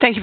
Good day,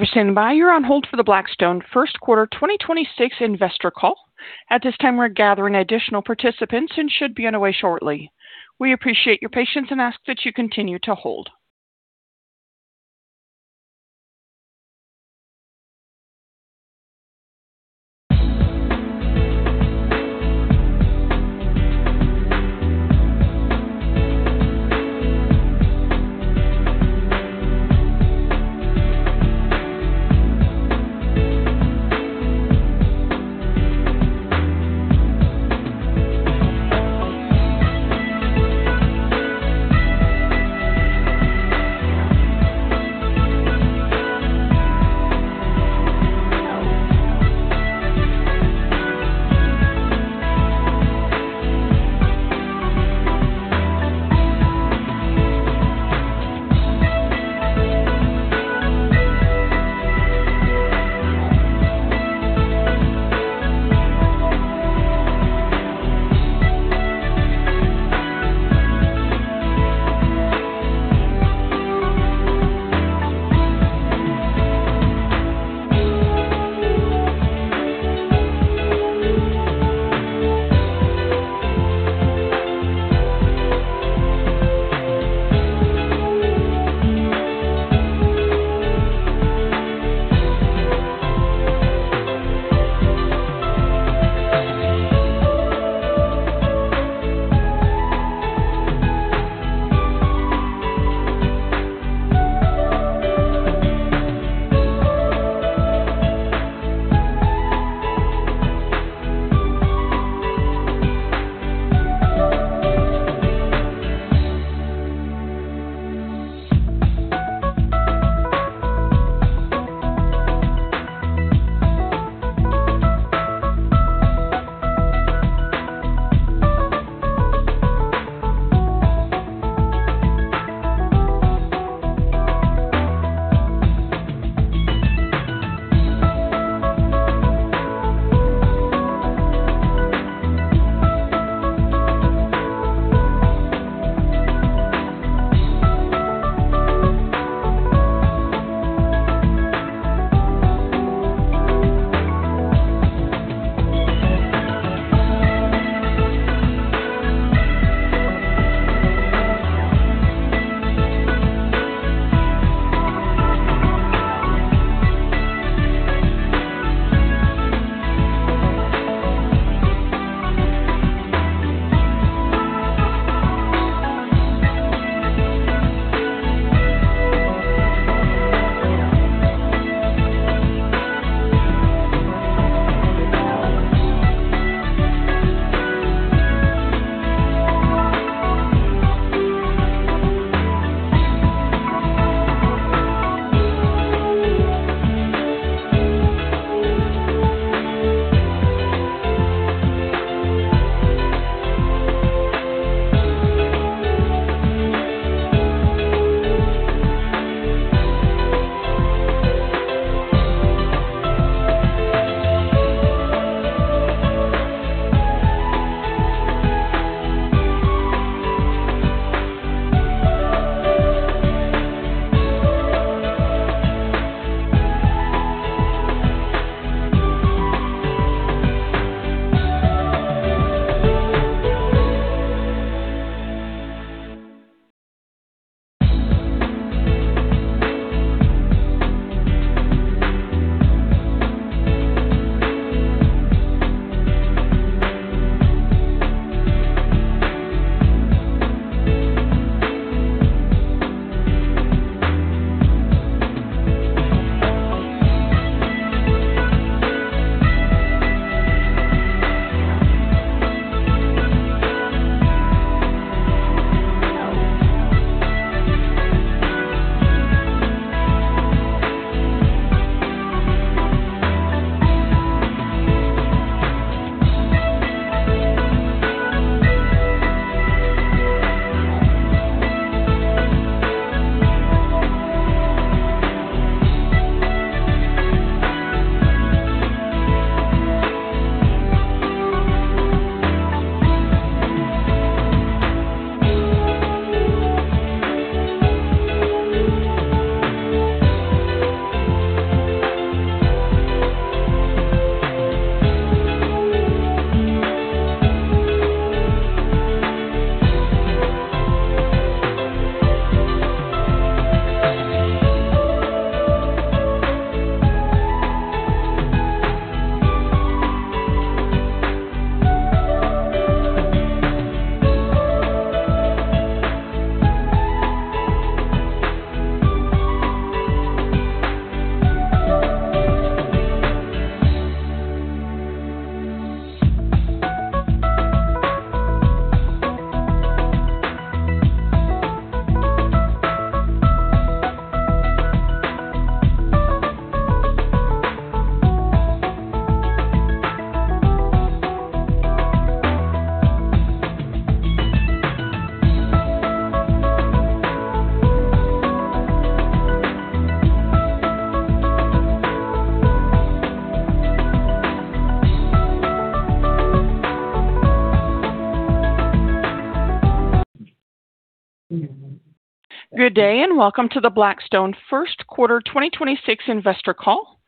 and welcome to the Blackstone First Quarter 2026 Investor Call.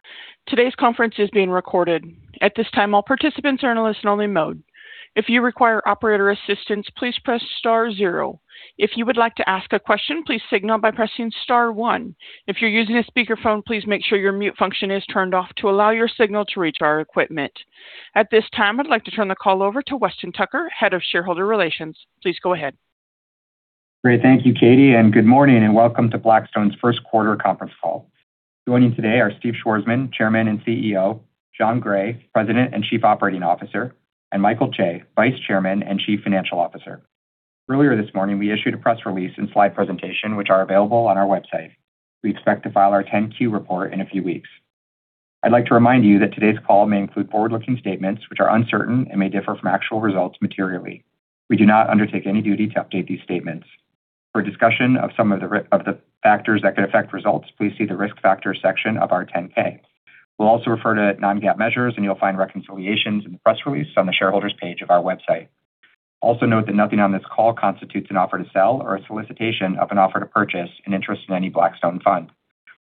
Today's conference is being recorded. At this time, all participants are in listen-only mode. If you require operator assistance, please press star zero. If you would like to ask a question, please signal by pressing star one. If you're using a speaker phone, please make sure your mute function is turned off to allow your signal to reach our equipment. At this time, I'd like to turn the call over to Weston Tucker, Head of Shareholder Relations. Please go ahead. Great. Thank you, Katie, and good morning, and welcome to Blackstone's first quarter conference call. Joining today are Steve Schwarzman, Chairman and CEO, Jon Gray, President and Chief Operating Officer, and Michael Chae, Vice Chairman and Chief Financial Officer. Earlier this morning, we issued a press release and slide presentation, which are available on our website. We expect to file our 10-Q report in a few weeks. I'd like to remind you that today's call may include forward-looking statements, which are uncertain and may differ from actual results materially. We do not undertake any duty to update these statements. For a discussion of some of the factors that could affect results, please see the risk factors section of our 10-K. We'll also refer to non-GAAP measures, and you'll find reconciliations in the press release on the Shareholders page of our website. Also note that nothing on this call constitutes an offer to sell or a solicitation of an offer to purchase an interest in any Blackstone fund.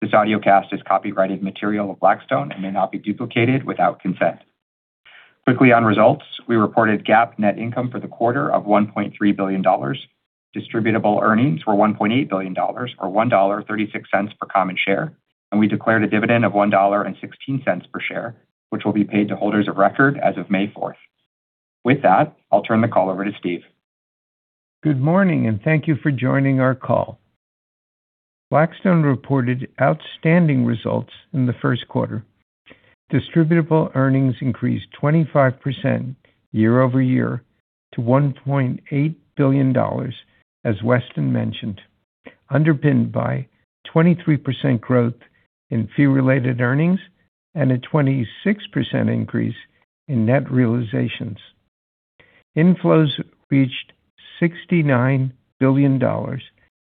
This audiocast is copyrighted material of Blackstone and may not be duplicated without consent. Quickly on results, we reported GAAP net income for the quarter of $1.3 billion. Distributable Earnings were $1.8 billion, or $1.36 per common share, and we declared a dividend of $1.16 per share, which will be paid to holders of record as of May 4th. With that, I'll turn the call over to Steve. Good morning, and thank you for joining our call. Blackstone reported outstanding results in the first quarter. Distributable Earnings increased 25% year-over-year to $1.8 billion, as Weston mentioned, underpinned by 23% growth in Fee Related Earnings and a 26% increase in net realizations. Inflows reached $69 billion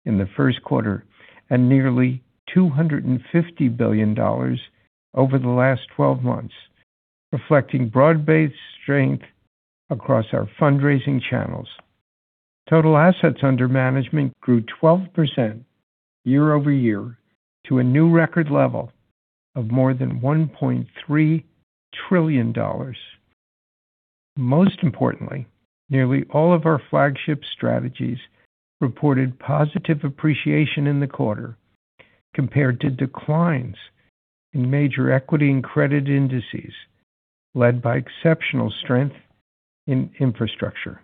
in the first quarter and nearly $250 billion over the last 12 months, reflecting broad-based strength across our fundraising channels. Total Assets Under Management grew 12% year-over-year to a new record level of more than $1.3 trillion. Most importantly, nearly all of our flagship strategies reported positive appreciation in the quarter compared to declines in major equity and credit indices, led by exceptional strength in infrastructure.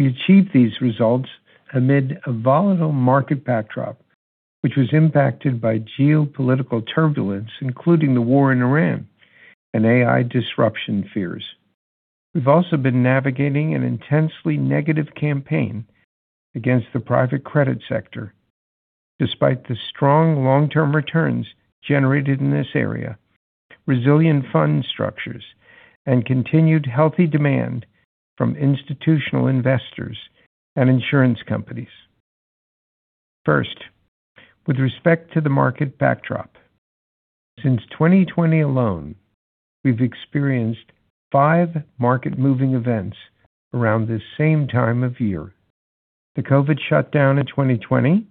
We achieved these results amid a volatile market backdrop, which was impacted by geopolitical turbulence, including the war in Ukraine and AI disruption fears. We've also been navigating an intensely negative campaign against the private credit sector, despite the strong long-term returns generated in this area, resilient fund structures, and continued healthy demand from institutional investors and insurance companies. First, with respect to the market backdrop. Since 2020 alone, we've experienced five market-moving events around the same time of year. The COVID shutdown in 2020,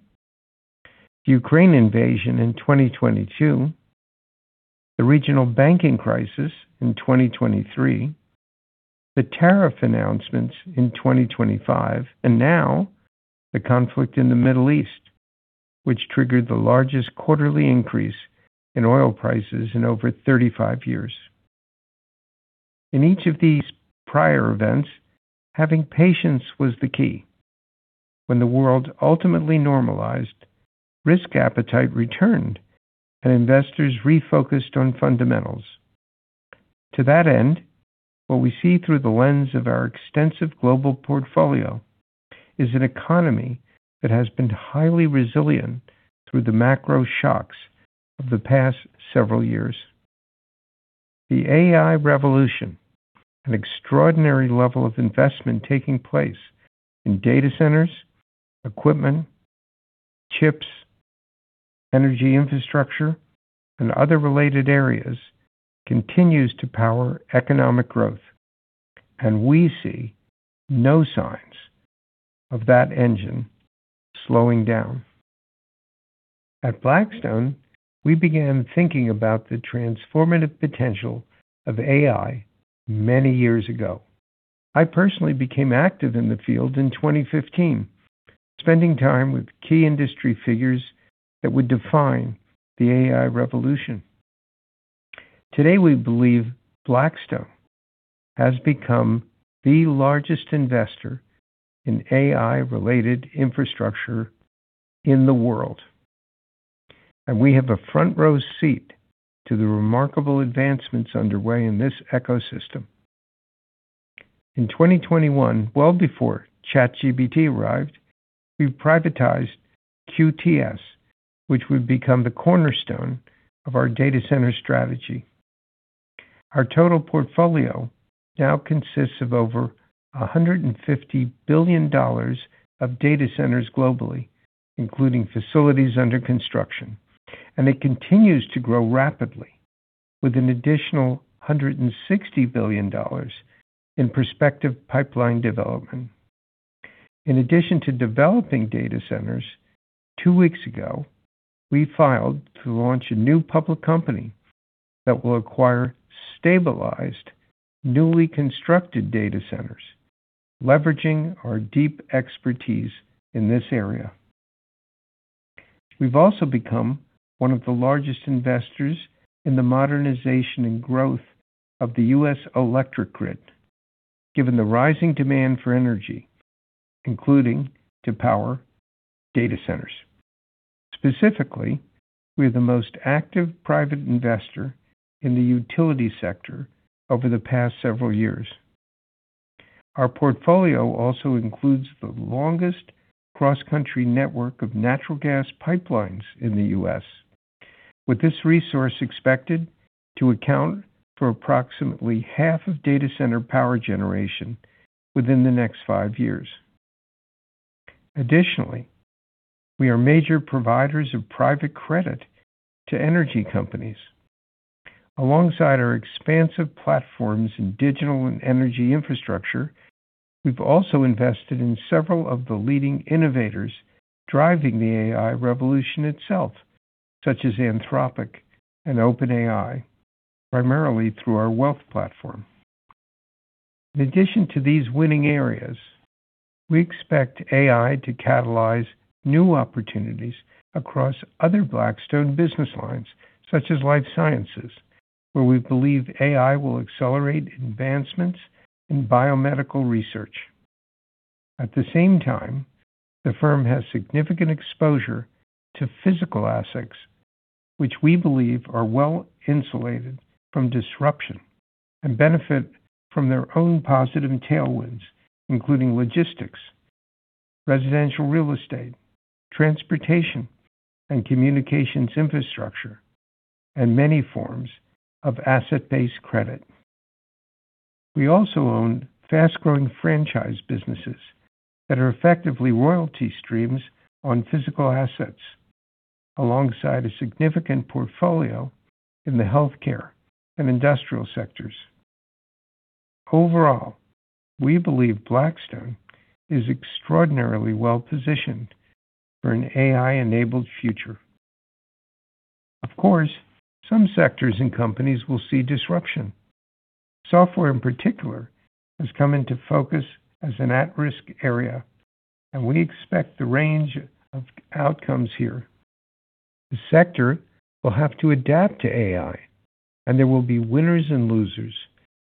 the Ukraine invasion in 2022, the regional banking crisis in 2023, the tariff announcements in 2025, and now the conflict in the Middle East, which triggered the largest quarterly increase in oil prices in over 35 years. In each of these prior events, having patience was the key. When the world ultimately normalized, risk appetite returned, and investors refocused on fundamentals. To that end, what we see through the lens of our extensive global portfolio is an economy that has been highly resilient through the macro shocks of the past several years. The AI revolution, an extraordinary level of investment taking place in data centers, equipment, chips, energy infrastructure, and other related areas continues to power economic growth, and we see no signs of that engine slowing down. At Blackstone, we began thinking about the transformative potential of AI many years ago. I personally became active in the field in 2015, spending time with key industry figures that would define the AI revolution. Today, we believe Blackstone has become the largest investor in AI-related infrastructure in the world, and we have a front-row seat to the remarkable advancements underway in this ecosystem. In 2021, well before ChatGPT arrived, we privatized QTS, which would become the cornerstone of our data center strategy. Our total portfolio now consists of over $150 billion of data centers globally, including facilities under construction, and it continues to grow rapidly. With an additional $160 billion in prospective pipeline development. In addition to developing data centers, two weeks ago, we filed to launch a new public company that will acquire stabilized, newly constructed data centers, leveraging our deep expertise in this area. We've also become one of the largest investors in the modernization and growth of the U.S. electric grid, given the rising demand for energy, including to power data centers. Specifically, we are the most active private investor in the utility sector over the past several years. Our portfolio also includes the longest cross-country network of natural gas pipelines in the U.S., with this resource expected to account for approximately half of data center power generation within the next five years. Additionally, we are major providers of private credit to energy companies. Alongside our expansive platforms in digital and energy infrastructure, we've also invested in several of the leading innovators driving the AI revolution itself, such as Anthropic and OpenAI, primarily through our wealth platform. In addition to these winning areas, we expect AI to catalyze new opportunities across other Blackstone business lines, such as life sciences, where we believe AI will accelerate advancements in biomedical research. At the same time, the firm has significant exposure to physical assets, which we believe are well-insulated from disruption, and benefit from their own positive tailwinds, including logistics, residential real estate, transportation, and communications infrastructure, and many forms of asset-based credit. We also own fast-growing franchise businesses that are effectively royalty streams on physical assets, alongside a significant portfolio in the healthcare and industrial sectors. Overall, we believe Blackstone is extraordinarily well-positioned for an AI-enabled future. Of course, some sectors and companies will see disruption. Software, in particular, has come into focus as an at-risk area, and we expect the range of outcomes here. The sector will have to adapt to AI, and there will be winners and losers,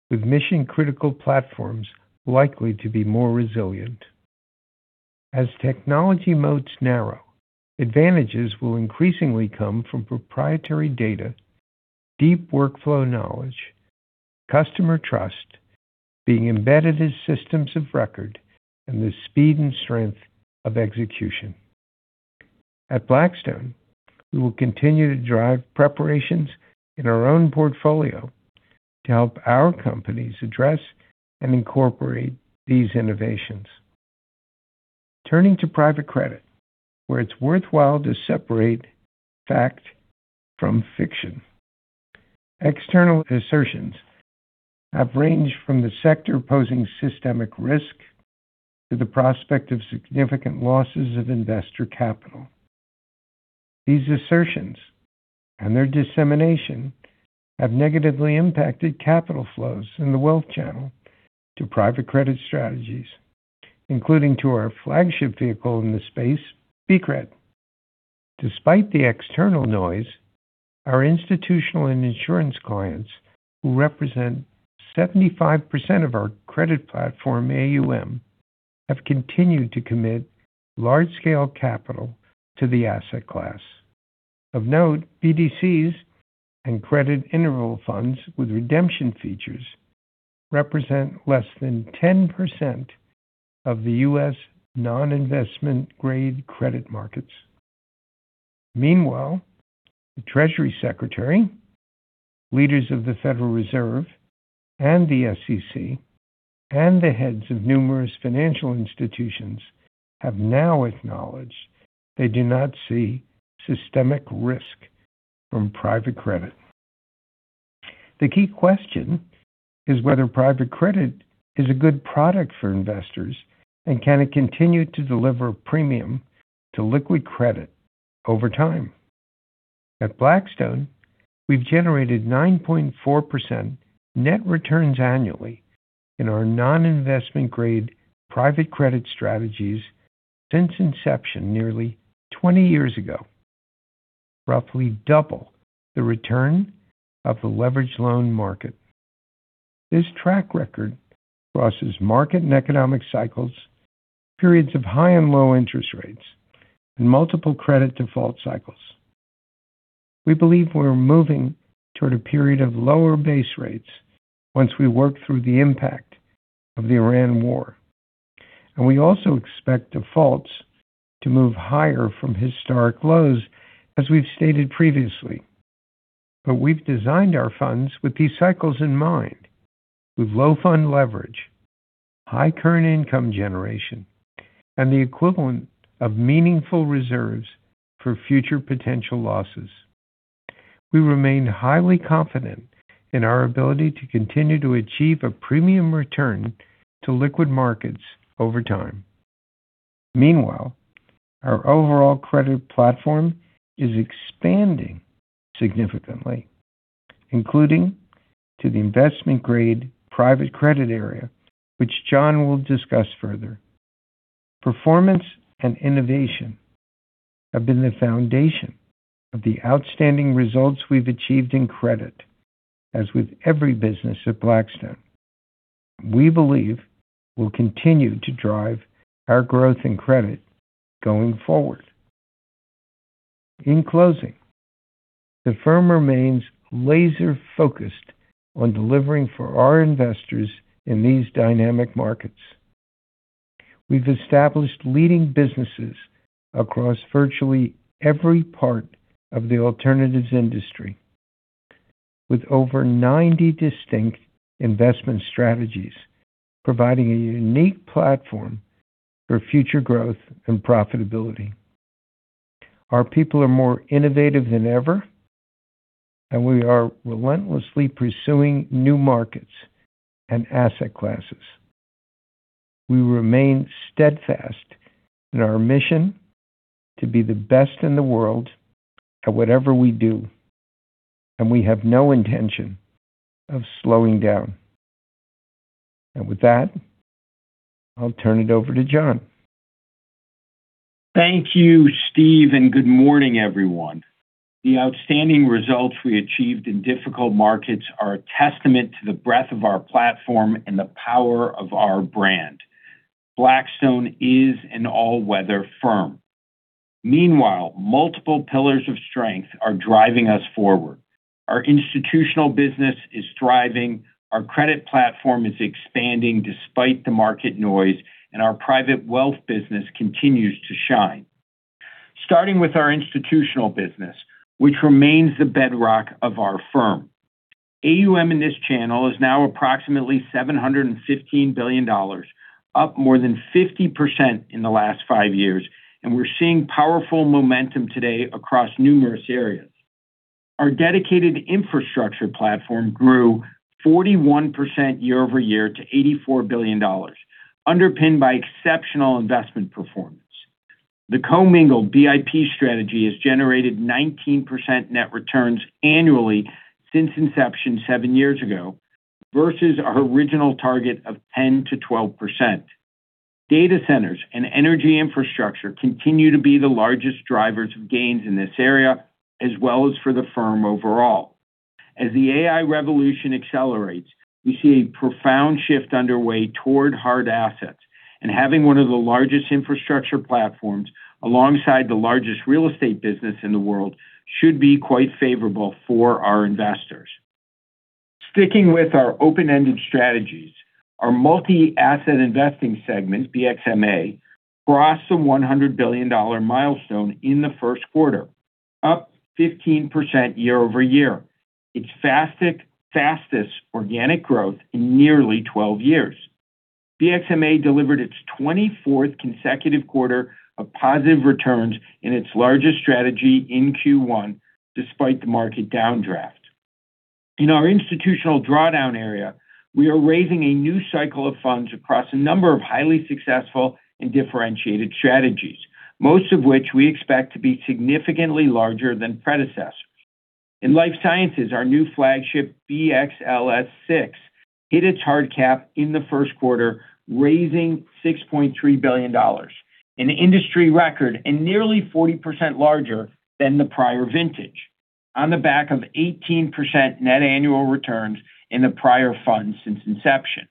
with mission-critical platforms likely to be more resilient. As technology moats narrow, advantages will increasingly come from proprietary data, deep workflow knowledge, customer trust, being embedded as systems of record, and the speed and strength of execution. At Blackstone, we will continue to drive preparations in our own portfolio to help our companies address and incorporate these innovations. Turning to private credit, where it's worthwhile to separate fact from fiction. External assertions have ranged from the sector posing systemic risk to the prospect of significant losses of investor capital. These assertions, and their dissemination, have negatively impacted capital flows in the wealth channel to private credit strategies, including to our flagship vehicle in the space, BCRED. Despite the external noise, our institutional and insurance clients, who represent 75% of our credit platform AUM, have continued to commit large-scale capital to the asset class. Of note, BDCs and credit interval funds with redemption features represent less than 10% of the U.S. non-investment-grade credit markets. Meanwhile, the Treasury Secretary, leaders of the Federal Reserve and the SEC, and the heads of numerous financial institutions have now acknowledged they do not see systemic risk from private credit. The key question is whether private credit is a good product for investors, and can it continue to deliver premium to liquid credit over time? At Blackstone, we've generated 9.4% net returns annually in our non-investment-grade private credit strategies since inception nearly 20 years ago, roughly double the return of the leveraged loan market. This track record crosses market and economic cycles, periods of high and low interest rates, and multiple credit default cycles. We believe we're moving toward a period of lower base rates once we work through the impact of the Iran war. We also expect defaults to move higher from historic lows, as we've stated previously. We've designed our funds with these cycles in mind. With low fund leverage, high current income generation, and the equivalent of meaningful reserves for future potential losses. We remain highly confident in our ability to continue to achieve a premium return to liquid markets over time. Meanwhile, our overall credit platform is expanding significantly, including to the investment-grade private credit area, which Jon will discuss further. Performance and innovation have been the foundation of the outstanding results we've achieved in credit, as with every business at Blackstone. We believe we'll continue to drive our growth in credit going forward. In closing, the firm remains laser-focused on delivering for our investors in these dynamic markets. We've established leading businesses across virtually every part of the alternatives industry, with over 90 distinct investment strategies, providing a unique platform for future growth and profitability. Our people are more innovative than ever, and we are relentlessly pursuing new markets and asset classes. We remain steadfast in our mission to be the best in the world at whatever we do, and we have no intention of slowing down. With that, I'll turn it over to Jon. Thank you, Steve, and good morning, everyone. The outstanding results we achieved in difficult markets are a testament to the breadth of our platform and the power of our brand. Blackstone is an all-weather firm. Meanwhile, multiple pillars of strength are driving us forward. Our institutional business is thriving, our credit platform is expanding despite the market noise, and our private wealth business continues to shine. Starting with our institutional business, which remains the bedrock of our firm. AUM in this channel is now approximately $715 billion, up more than 50% in the last five years, and we're seeing powerful momentum today across numerous areas. Our dedicated infrastructure platform grew 41% year-over-year to $84 billion, underpinned by exceptional investment performance. The commingled BIP strategy has generated 19% net returns annually since inception seven years ago, versus our original target of 10%-12%. Data centers and energy infrastructure continue to be the largest drivers of gains in this area, as well as for the firm overall. As the AI revolution accelerates, we see a profound shift underway toward hard assets, and having one of the largest infrastructure platforms alongside the largest real estate business in the world should be quite favorable for our investors. Sticking with our open-ended strategies, our multi-asset investing segment, BXMA, crossed the $100 billion milestone in the first quarter, up 15% year-over-year, its fastest organic growth in nearly 12 years. BXMA delivered its 24th consecutive quarter of positive returns in its largest strategy in Q1, despite the market downdraft. In our institutional drawdown area, we are raising a new cycle of funds across a number of highly successful and differentiated strategies, most of which we expect to be significantly larger than predecessors. In life sciences, our new flagship BXLS VI hit its hard cap in the first quarter, raising $6.3 billion, an industry record and nearly 40% larger than the prior vintage, on the back of 18% net annual returns in the prior fund since inception.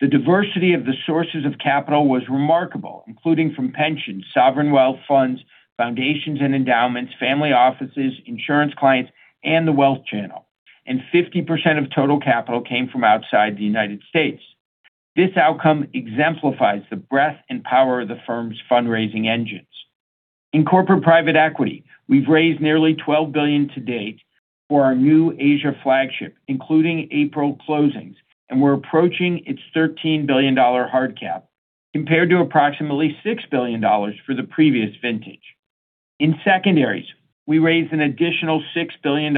The diversity of the sources of capital was remarkable, including from pensions, sovereign wealth funds, foundations and endowments, family offices, insurance clients, and the wealth channel. 50% of total capital came from outside the United States. This outcome exemplifies the breadth and power of the firm's fundraising engines. In corporate private equity, we've raised nearly $12 billion to date for our new Asia flagship, including April closings, and we're approaching its $13 billion hard cap, compared to approximately $6 billion for the previous vintage. In secondaries, we raised an additional $6 billion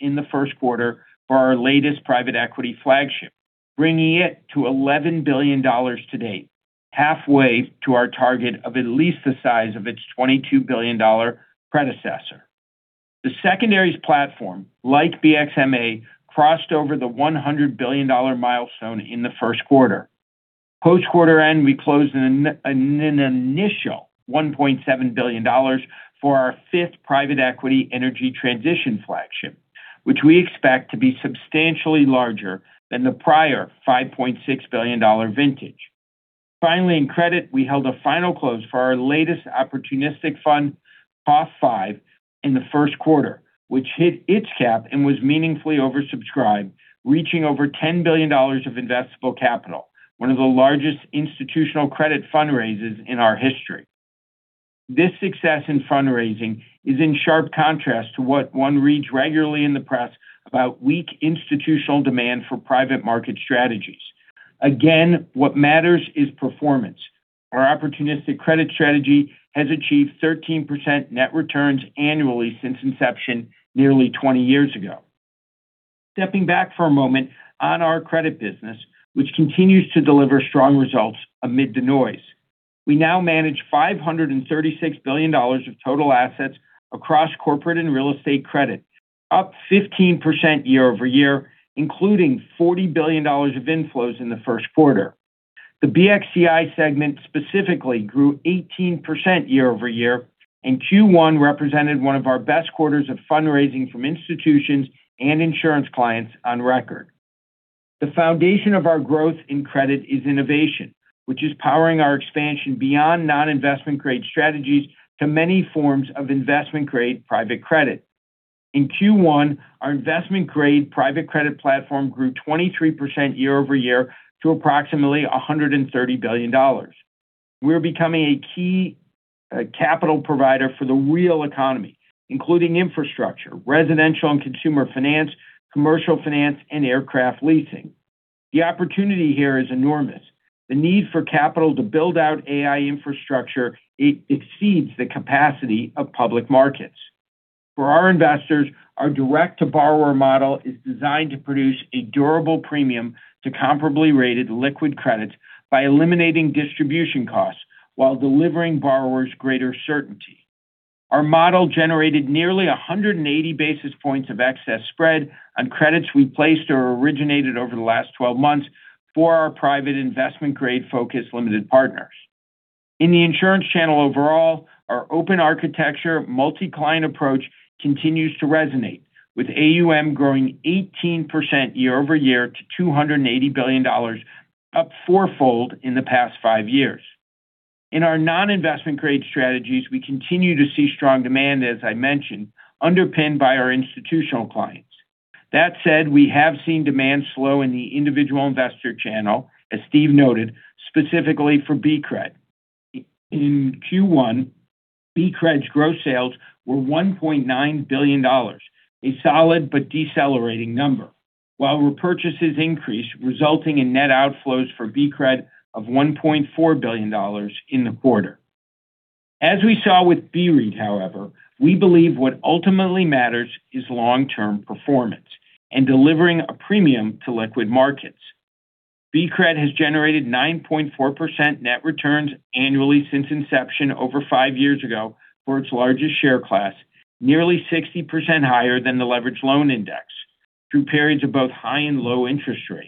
in the first quarter for our latest private equity flagship, bringing it to $11 billion to date, halfway to our target of at least the size of its $22 billion predecessor. The secondaries platform, like BXMA, crossed over the $100 billion milestone in the first quarter. Post quarter end, we closed an initial $1.7 billion for our fifth private equity energy transition flagship, which we expect to be substantially larger than the prior $5.6 billion vintage. Finally, in credit, we held a final close for our latest opportunistic fund, COF V, in the first quarter, which hit its cap and was meaningfully oversubscribed, reaching over $10 billion of investable capital, one of the largest institutional credit fundraisers in our history. This success in fundraising is in sharp contrast to what one reads regularly in the press about weak institutional demand for private market strategies. Again, what matters is performance. Our opportunistic credit strategy has achieved 13% net returns annually since inception nearly 20 years ago. Stepping back for a moment on our credit business, which continues to deliver strong results amid the noise. We now manage $536 billion of total assets across corporate and real estate credit, up 15% year-over-year, including $40 billion of inflows in the first quarter. The BXCI segment specifically grew 18% year-over-year, and Q1 represented one of our best quarters of fundraising from institutions and insurance clients on record. The foundation of our growth in credit is innovation, which is powering our expansion beyond non-investment grade strategies to many forms of investment-grade private credit. In Q1, our investment-grade private credit platform grew 23% year-over-year to approximately $130 billion. We're becoming a key capital provider for the real economy, including infrastructure, residential and consumer finance, commercial finance, and aircraft leasing. The opportunity here is enormous. The need for capital to build out AI infrastructure exceeds the capacity of public markets. For our investors, our direct-to-borrower model is designed to produce a durable premium to comparably rated liquid credits by eliminating distribution costs while delivering borrowers greater certainty. Our model generated nearly 180 basis points of excess spread on credits we placed or originated over the last 12 months for our private investment grade focus limited partners. In the insurance channel overall, our open architecture multi-client approach continues to resonate, with AUM growing 18% year-over-year to $280 billion, up fourfold in the past five years. In our non-investment grade strategies, we continue to see strong demand, as I mentioned, underpinned by our institutional clients. That said, we have seen demand slow in the individual investor channel, as Steve noted, specifically for BCRED. In Q1, BCRED's gross sales were $1.9 billion, a solid but decelerating number. While repurchases increased, resulting in net outflows for BCRED of $1.4 billion in the quarter. As we saw with BREIT, however, we believe what ultimately matters is long-term performance and delivering a premium to liquid markets. BCRED has generated 9.4% net returns annually since inception over five years ago for its largest share class, nearly 60% higher than the leveraged loan index through periods of both high and low interest rates.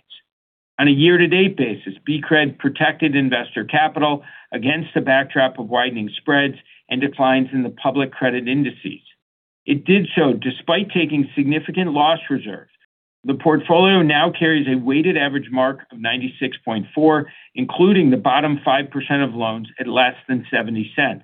On a year-to-date basis, BCRED protected investor capital against the backdrop of widening spreads and declines in the public credit indices. It did so despite taking significant loss reserves. The portfolio now carries a weighted average mark of 96.4, including the bottom 5% of loans at less than $0.70.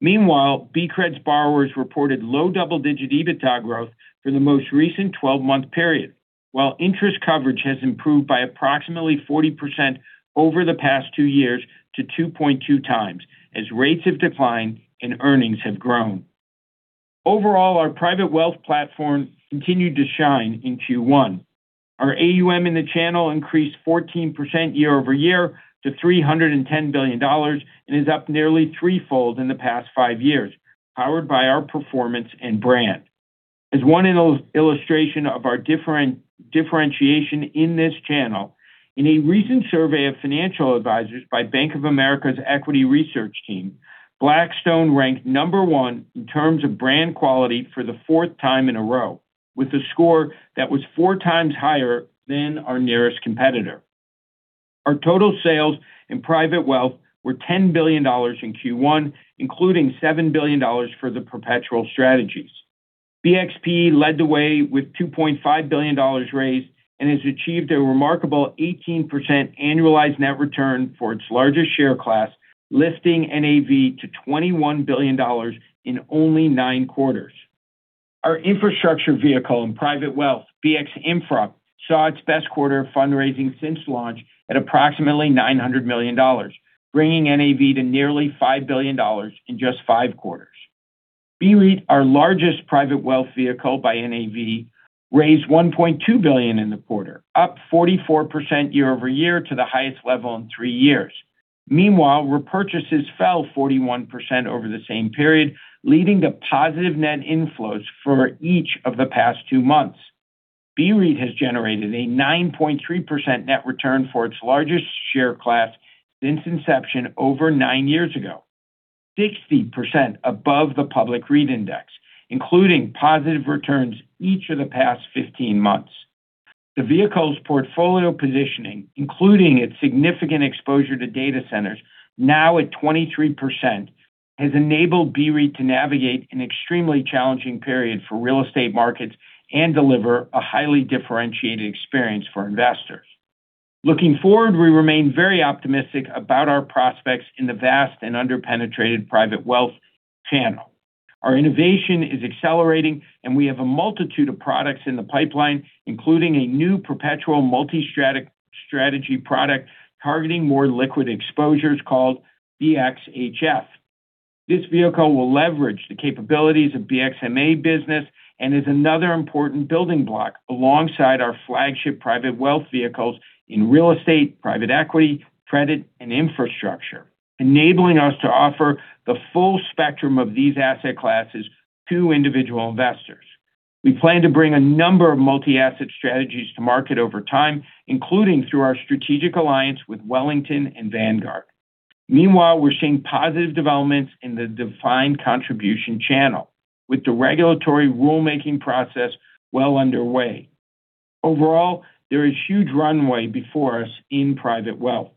Meanwhile, BCRED's borrowers reported low double-digit EBITDA growth for the most recent 12-month period, while interest coverage has improved by approximately 40% over the past two years to 2.2x, as rates have declined, and earnings have grown. Overall, our private wealth platform continued to shine in Q1. Our AUM in the channel increased 14% year over year to $310 billion and is up nearly threefold in the past five years, powered by our performance and brand. As one illustration of our differentiation in this channel, in a recent survey of financial advisors by Bank of America's equity research team, Blackstone ranked number one in terms of brand quality for the fourth time in a row, with a score that was four times higher than our nearest competitor. Our total sales in private wealth were $10 billion in Q1, including $7 billion for the perpetual strategies. BXPE led the way with $2.5 billion raised and has achieved a remarkable 18% annualized net return for its largest share class, lifting NAV to $21 billion in only nine quarters. Our infrastructure vehicle in private wealth, BXINFRA, saw its best quarter of fundraising since launch at approximately $900 million, bringing NAV to nearly $5 billion in just five quarters. BREIT, our largest private wealth vehicle by NAV, raised $1.2 billion in the quarter, up 44% year-over-year to the highest level in three years. Meanwhile, repurchases fell 41% over the same period, leading to positive net inflows for each of the past two months. BREIT has generated a 9.3% net return for its largest share class since inception over nine years ago, 60% above the public REIT index, including positive returns each of the past 15 months. The vehicle's portfolio positioning, including its significant exposure to data centers, now at 23%, has enabled BREIT to navigate an extremely challenging period for real estate markets and deliver a highly differentiated experience for investors. Looking forward, we remain very optimistic about our prospects in the vast and underpenetrated private wealth channel. Our innovation is accelerating, and we have a multitude of products in the pipeline, including a new perpetual multi-strategy product targeting more liquid exposures called BXHF. This vehicle will leverage the capabilities of BXMA business and is another important building block alongside our flagship private wealth vehicles in real estate, private equity, credit, and infrastructure, enabling us to offer the full spectrum of these asset classes to individual investors. We plan to bring a number of multi-asset strategies to market over time, including through our strategic alliance with Wellington and Vanguard. Meanwhile, we're seeing positive developments in the defined contribution channel, with the regulatory rulemaking process well underway. Overall, there is huge runway before us in private wealth.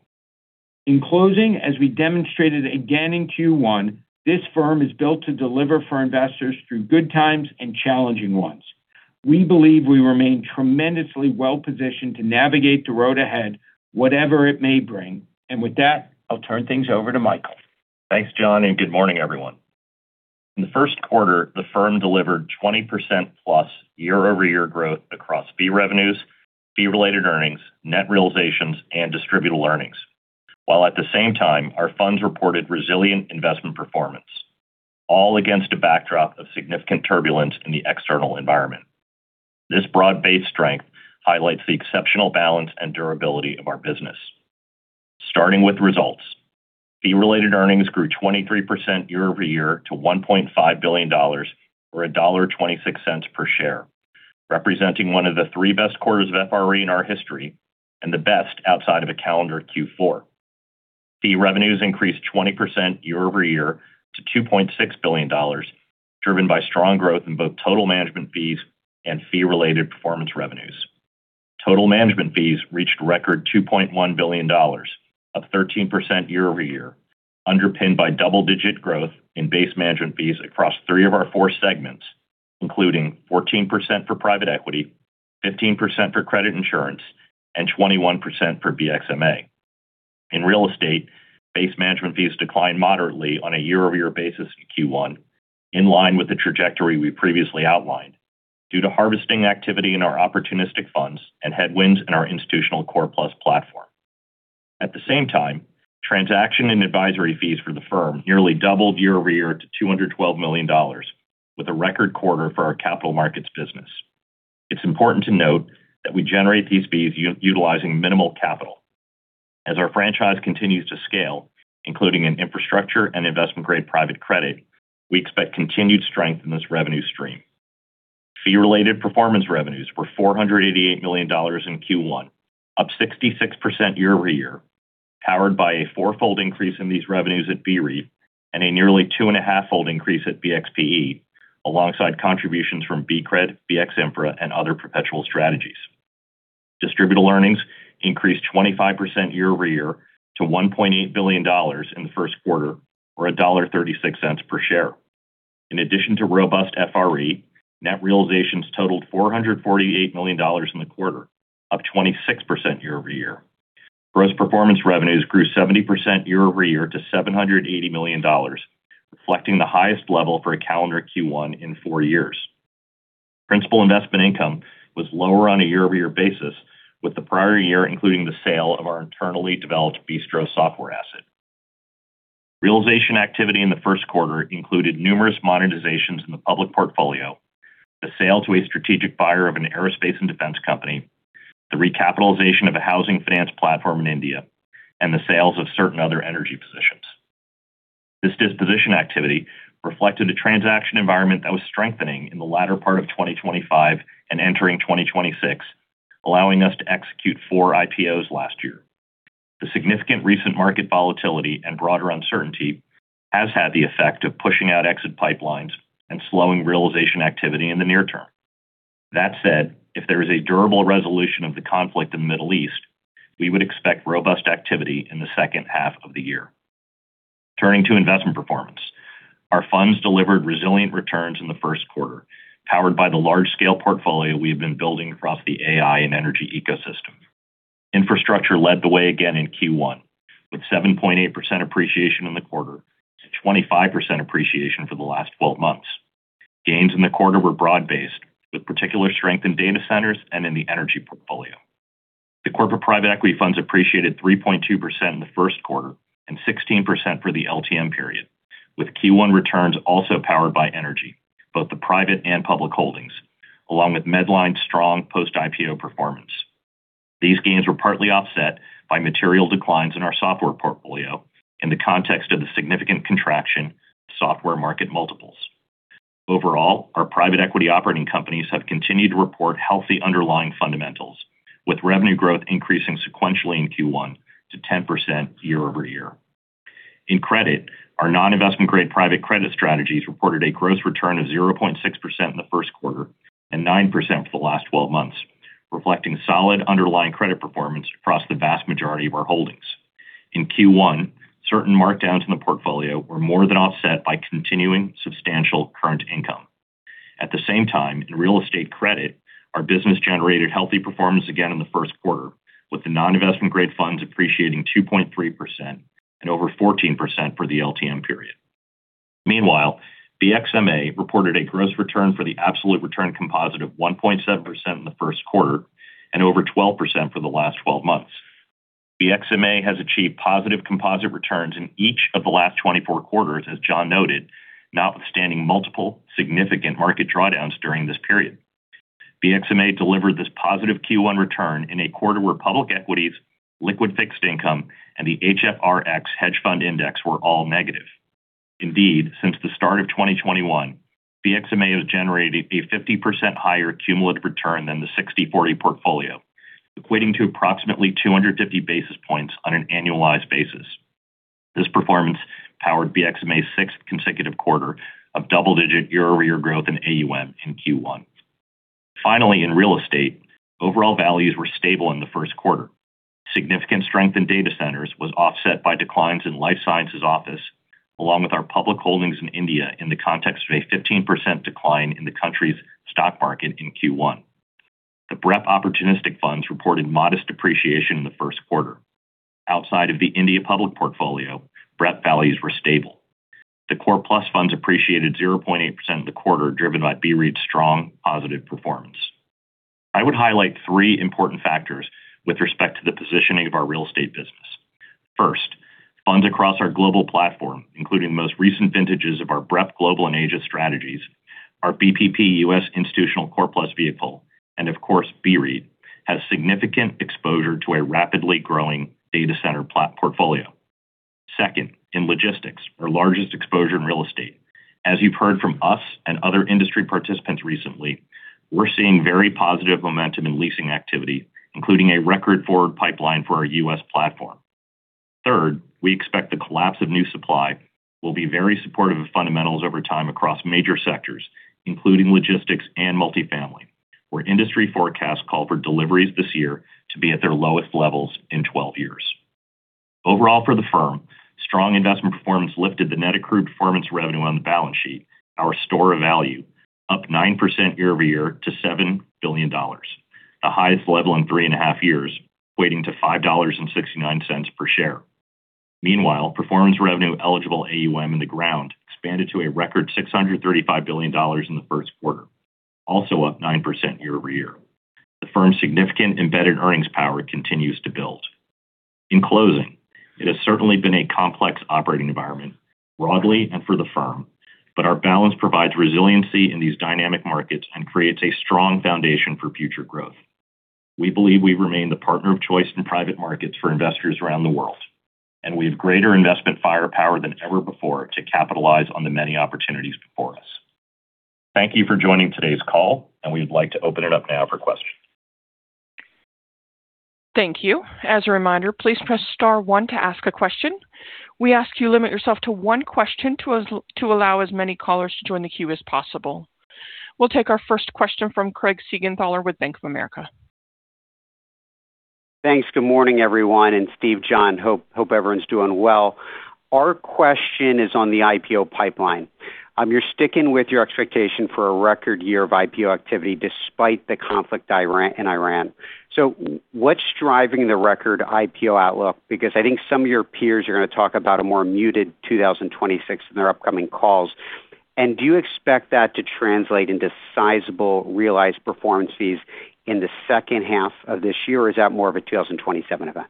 In closing, as we demonstrated again in Q1, this firm is built to deliver for investors through good times and challenging ones. We believe we remain tremendously well-positioned to navigate the road ahead, whatever it may bring. With that, I'll turn things over to Michael. Thanks, Jon, and good morning, everyone. In the first quarter, the firm delivered 20% plus year-over-year growth across fee revenues, Fee Related Earnings, Net Realizations, and Distributable Earnings, while at the same time, our funds reported resilient investment performance, all against a backdrop of significant turbulence in the external environment. This broad-based strength highlights the exceptional balance and durability of our business. Starting with results. Fee Related Earnings grew 23% year-over-year to $1.5 billion, or $1.26 per share, representing one of the three best quarters of FRE in our history and the best outside of a calendar Q4. Fee revenues increased 20% year-over-year to $2.6 billion, driven by strong growth in both total management fees and Fee Related Performance Revenues. Total management fees reached record $2.1 billion, up 13% year-over-year, underpinned by double-digit growth in base management fees across three of our four segments, including 14% for Private Equity, 15% for Credit & Insurance, and 21% for BXMA. In Real Estate, base management fees declined moderately on a year-over-year basis in Q1, in line with the trajectory we previously outlined, due to harvesting activity in our opportunistic funds and headwinds in our institutional core plus platform. At the same time, transaction and advisory fees for the firm nearly doubled year-over-year to $212 million, with a record quarter for our capital markets business. It's important to note that we generate these fees utilizing minimal capital. As our franchise continues to scale, including in infrastructure and investment-grade private credit, we expect continued strength in this revenue stream. Fee-related performance revenues were $488 million in Q1, up 66% year-over-year, powered by a four-fold increase in these revenues at BREIT and a nearly 2.5-fold increase at BXPE, alongside contributions from BCRED, BXINFRA, and other perpetual strategies. Distributable Earnings increased 25% year-over-year to $1.8 billion in the first quarter, or $1.36 per share. In addition to robust FRE, net realizations totaled $448 million in the quarter, up 26% year-over-year. Gross performance revenues grew 70% year-over-year to $780 million, reflecting the highest level for a calendar Q1 in four years. Principal investment income was lower on a year-over-year basis, with the prior year including the sale of our internally developed Bistro software asset. Realization activity in the first quarter included numerous monetizations in the public portfolio, the sale to a strategic buyer of an aerospace and defense company, the recapitalization of a housing finance platform in India, and the sales of certain other energy positions. This disposition activity reflected a transaction environment that was strengthening in the latter part of 2025 and entering 2026, allowing us to execute four IPOs last year. The significant recent market volatility and broader uncertainty has had the effect of pushing out exit pipelines and slowing realization activity in the near term. That said, if there is a durable resolution of the conflict in the Middle East, we would expect robust activity in the second half of the year. Turning to investment performance. Our funds delivered resilient returns in the first quarter, powered by the large-scale portfolio we have been building across the AI and energy ecosystem. Infrastructure led the way again in Q1, with 7.8% appreciation in the quarter to 25% appreciation for the last 12 months. Gains in the quarter were broad-based, with particular strength in data centers and in the energy portfolio. The corporate private equity funds appreciated 3.2% in the first quarter and 16% for the LTM period, with Q1 returns also powered by energy, both the private and public holdings, along with Medline's strong post-IPO performance. These gains were partly offset by material declines in our software portfolio in the context of the significant contraction of software market multiples. Overall, our private equity operating companies have continued to report healthy underlying fundamentals, with revenue growth increasing sequentially in Q1 to 10% year-over-year. In credit, our non-investment grade private credit strategies reported a gross return of 0.6% in the first quarter and 9% for the last twelve months, reflecting solid underlying credit performance across the vast majority of our holdings. In Q1, certain markdowns in the portfolio were more than offset by continuing substantial current income. At the same time, in real estate credit, our business generated healthy performance again in the first quarter, with the non-investment grade funds appreciating 2.3% and over 14% for the LTM period. Meanwhile, BXMA reported a gross return for the absolute return composite of 1.7% in the first quarter and over 12% for the last 12 months. BXMA has achieved positive composite returns in each of the last 24 quarters, as Jon noted, notwithstanding multiple significant market drawdowns during this period. BXMA delivered this positive Q1 return in a quarter where public equities, liquid fixed income, and the HFRX Hedge Fund Index were all negative. Indeed, since the start of 2021, BXMA has generated a 50% higher cumulative return than the 60/40 portfolio, equating to approximately 250 basis points on an annualized basis. This performance powered BXMA's sixth consecutive quarter of double-digit year-over-year growth in AUM in Q1. Finally, in real estate, overall values were stable in the first quarter. Significant strength in data centers was offset by declines in life sciences office, along with our public holdings in India in the context of a 15% decline in the country's stock market in Q1. The BREP opportunistic funds reported modest depreciation in the first quarter. Outside of the India public portfolio, BREP values were stable. The Core Plus funds appreciated 0.8% in the quarter, driven by BREIT's strong positive performance. I would highlight three important factors with respect to the positioning of our real estate business. First, funds across our global platform, including the most recent vintages of our BREP global and Asia strategies, our BPP U.S. institutional Core Plus vehicle, and of course, BREIT, has significant exposure to a rapidly growing data center platform portfolio. Second, in logistics, our largest exposure in real estate. As you've heard from us and other industry participants recently, we're seeing very positive momentum in leasing activity, including a record forward pipeline for our U.S. platform. Third, we expect the collapse of new supply will be very supportive of fundamentals over time across major sectors, including logistics and multifamily, where industry forecasts call for deliveries this year to be at their lowest levels in 12 years. Overall, for the firm, strong investment performance lifted the net accrued performance revenue on the balance sheet, our store of value, up 9% year-over-year to $7 billion, the highest level in three and a half years, equating to $5.69 per share. Meanwhile, performance revenue eligible AUM on the ground expanded to a record $635 billion in the first quarter, also up 9% year-over-year. The firm's significant embedded earnings power continues to build. In closing, it has certainly been a complex operating environment, broadly and for the firm, but our balance provides resiliency in these dynamic markets and creates a strong foundation for future growth. We believe we remain the partner of choice in private markets for investors around the world, and we have greater investment firepower than ever before to capitalize on the many opportunities before us. Thank you for joining today's call, and we'd like to open it up now for questions. Thank you. As a reminder, please press star one to ask a question. We ask you limit yourself to one question to allow as many callers to join the queue as possible. We'll take our first question from Craig Siegenthaler with Bank of America. Thanks. Good morning, everyone, and Steve, Jon. Hope everyone's doing well. Our question is on the IPO pipeline. You're sticking with your expectation for a record year of IPO activity despite the conflict in Iran. What's driving the record IPO outlook? Because I think some of your peers are going to talk about a more muted 2026 in their upcoming calls. Do you expect that to translate into sizable realized performance fees in the second half of this year, or is that more of a 2027 event?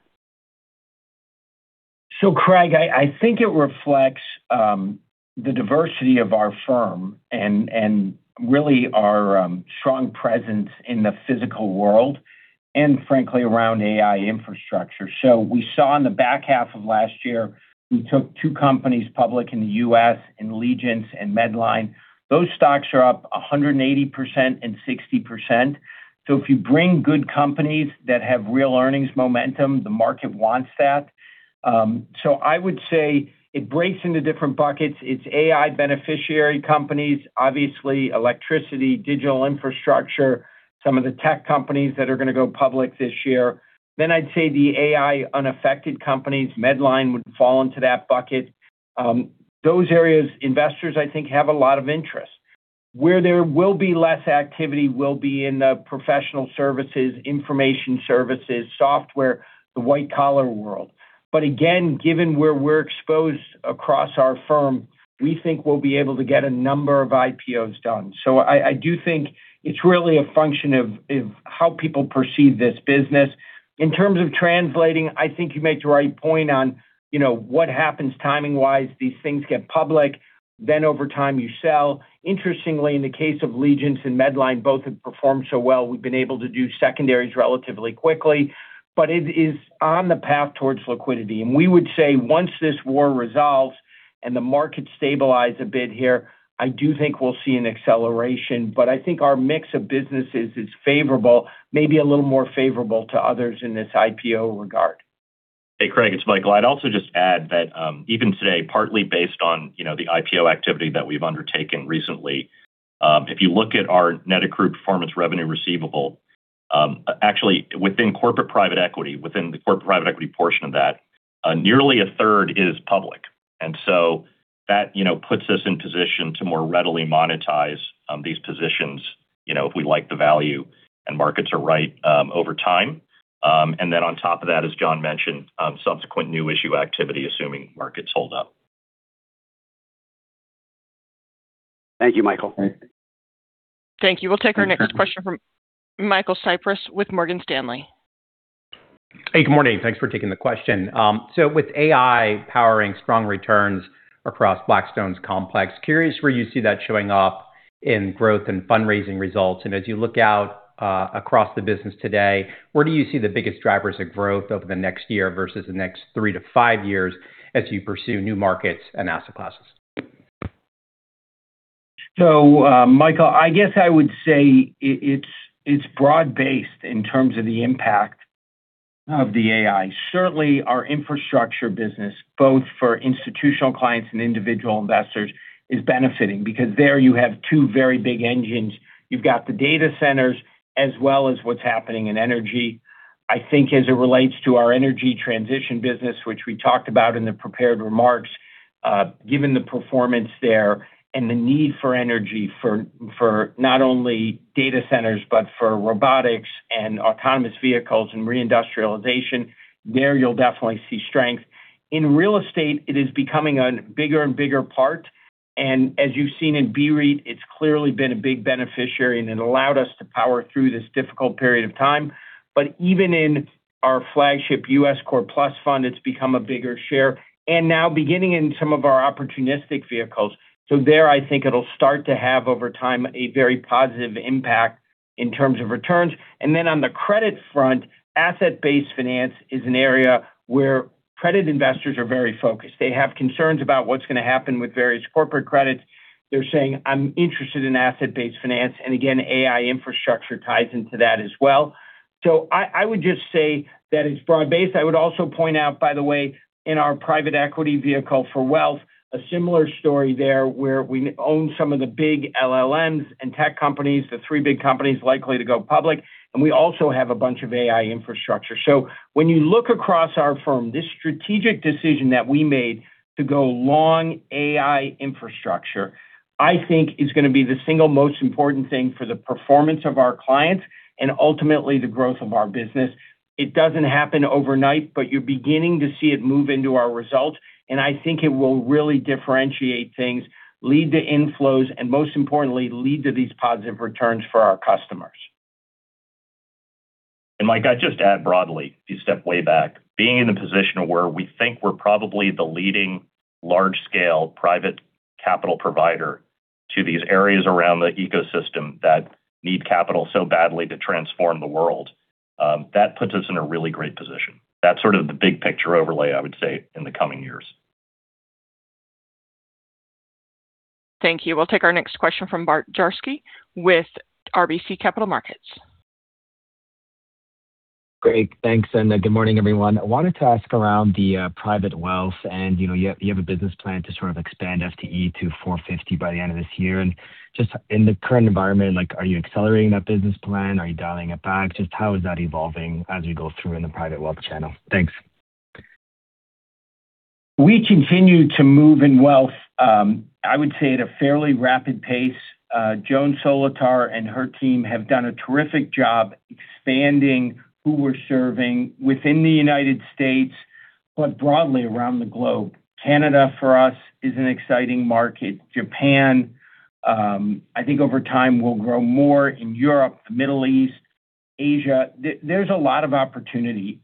Craig, I think it reflects the diversity of our firm and really our strong presence in the physical world and frankly, around AI infrastructure. We saw in the back half of last year, we took two companies public in the U.S., in Legence and Medline. Those stocks are up 180% and 60%. If you bring good companies that have real earnings momentum, the market wants that. I would say it breaks into different buckets. It's AI beneficiary companies, obviously electricity, digital infrastructure, some of the tech companies that are going to go public this year. Then I'd say the AI unaffected companies, Medline would fall into that bucket. Those areas, investors, I think, have a lot of interest. Where there will be less activity will be in the professional services, information services, software, the white-collar world. Again, given where we're exposed across our firm, we think we'll be able to get a number of IPOs done. I do think it's really a function of how people perceive this business. In terms of translating, I think you make the right point on what happens timing-wise. These things get public, then over time you sell. Interestingly, in the case of Legence and Medline, both have performed so well, we've been able to do secondaries relatively quickly. It is on the path towards liquidity. We would say once this war resolves and the markets stabilize a bit here, I do think we'll see an acceleration. I think our mix of businesses is favorable, maybe a little more favorable to others in this IPO regard. Hey, Craig, it's Michael. I'd also just add that even today, partly based on the IPO activity that we've undertaken recently, if you look at our net accrued performance revenue receivable, actually within corporate private equity, within the corporate private equity portion of that nearly a third is public. That puts us in position to more readily monetize these positions if we like the value and markets are right over time. On top of that, as Jon mentioned, subsequent new issue activity, assuming markets hold up. Thank you, Michael. Thank you. We'll take our next question from Michael Cyprys with Morgan Stanley. Hey, good morning. Thanks for taking the question. With AI powering strong returns across Blackstone's complex, I'm curious where you see that showing up in growth and fundraising results. As you look out across the business today, where do you see the biggest drivers of growth over the next year versus the next three to five years as you pursue new markets and asset classes? Michael, I guess I would say it's broad-based in terms of the impact of the AI. Certainly our infrastructure business, both for institutional clients and individual investors, is benefiting because there you have two very big engines. You've got the data centers as well as what's happening in energy. I think as it relates to our energy transition business, which we talked about in the prepared remarks, given the performance there and the need for energy for not only data centers, but for robotics and autonomous vehicles and reindustrialization, there you'll definitely see strength. In real estate, it is becoming a bigger and bigger part, and as you've seen in BREIT, it's clearly been a big beneficiary, and it allowed us to power through this difficult period of time. Even in our flagship U.S. core plus fund, it's become a bigger share. Now beginning in some of our opportunistic vehicles. There, I think it'll start to have, over time, a very positive impact in terms of returns. Then on the credit front, asset-based finance is an area where credit investors are very focused. They have concerns about what's going to happen with various corporate credits. They're saying, "I'm interested in asset-based finance." Again, AI infrastructure ties into that as well. I would just say that it's broad-based. I would also point out, by the way, in our private equity vehicle for wealth, a similar story there where we own some of the big LLMs and tech companies, the three big companies likely to go public, and we also have a bunch of AI infrastructure. When you look across our firm, this strategic decision that we made to go long AI infrastructure, I think is going to be the single most important thing for the performance of our clients and ultimately the growth of our business. It doesn't happen overnight, but you're beginning to see it move into our results, and I think it will really differentiate things, lead to inflows, and most importantly, lead to these positive returns for our customers. And Mike, I'd just add broadly, if you step way back, being in a position where we think we're probably the leading large-scale private capital provider to these areas around the ecosystem that need capital so badly to transform the world, that puts us in a really great position. That's sort of the big picture overlay, I would say, in the coming years. Thank you. We'll take our next question from Bart Dziarski with RBC Capital Markets. Great. Thanks, and good morning, everyone. I wanted to ask about the private wealth, and you have a business plan to sort of expand FTE to 450 by the end of this year. Just in the current environment, are you accelerating that business plan? Are you dialing it back? Just how is that evolving as you go through in the private wealth channel? Thanks. We continue to move in wealth, I would say at a fairly rapid pace. Joan Solotar and her team have done a terrific job expanding who we're serving within the United States, but broadly around the globe. Canada, for us, is an exciting market. Japan, I think over time will grow more. In Europe, the Middle East, Asia, there's a lot of opportunity.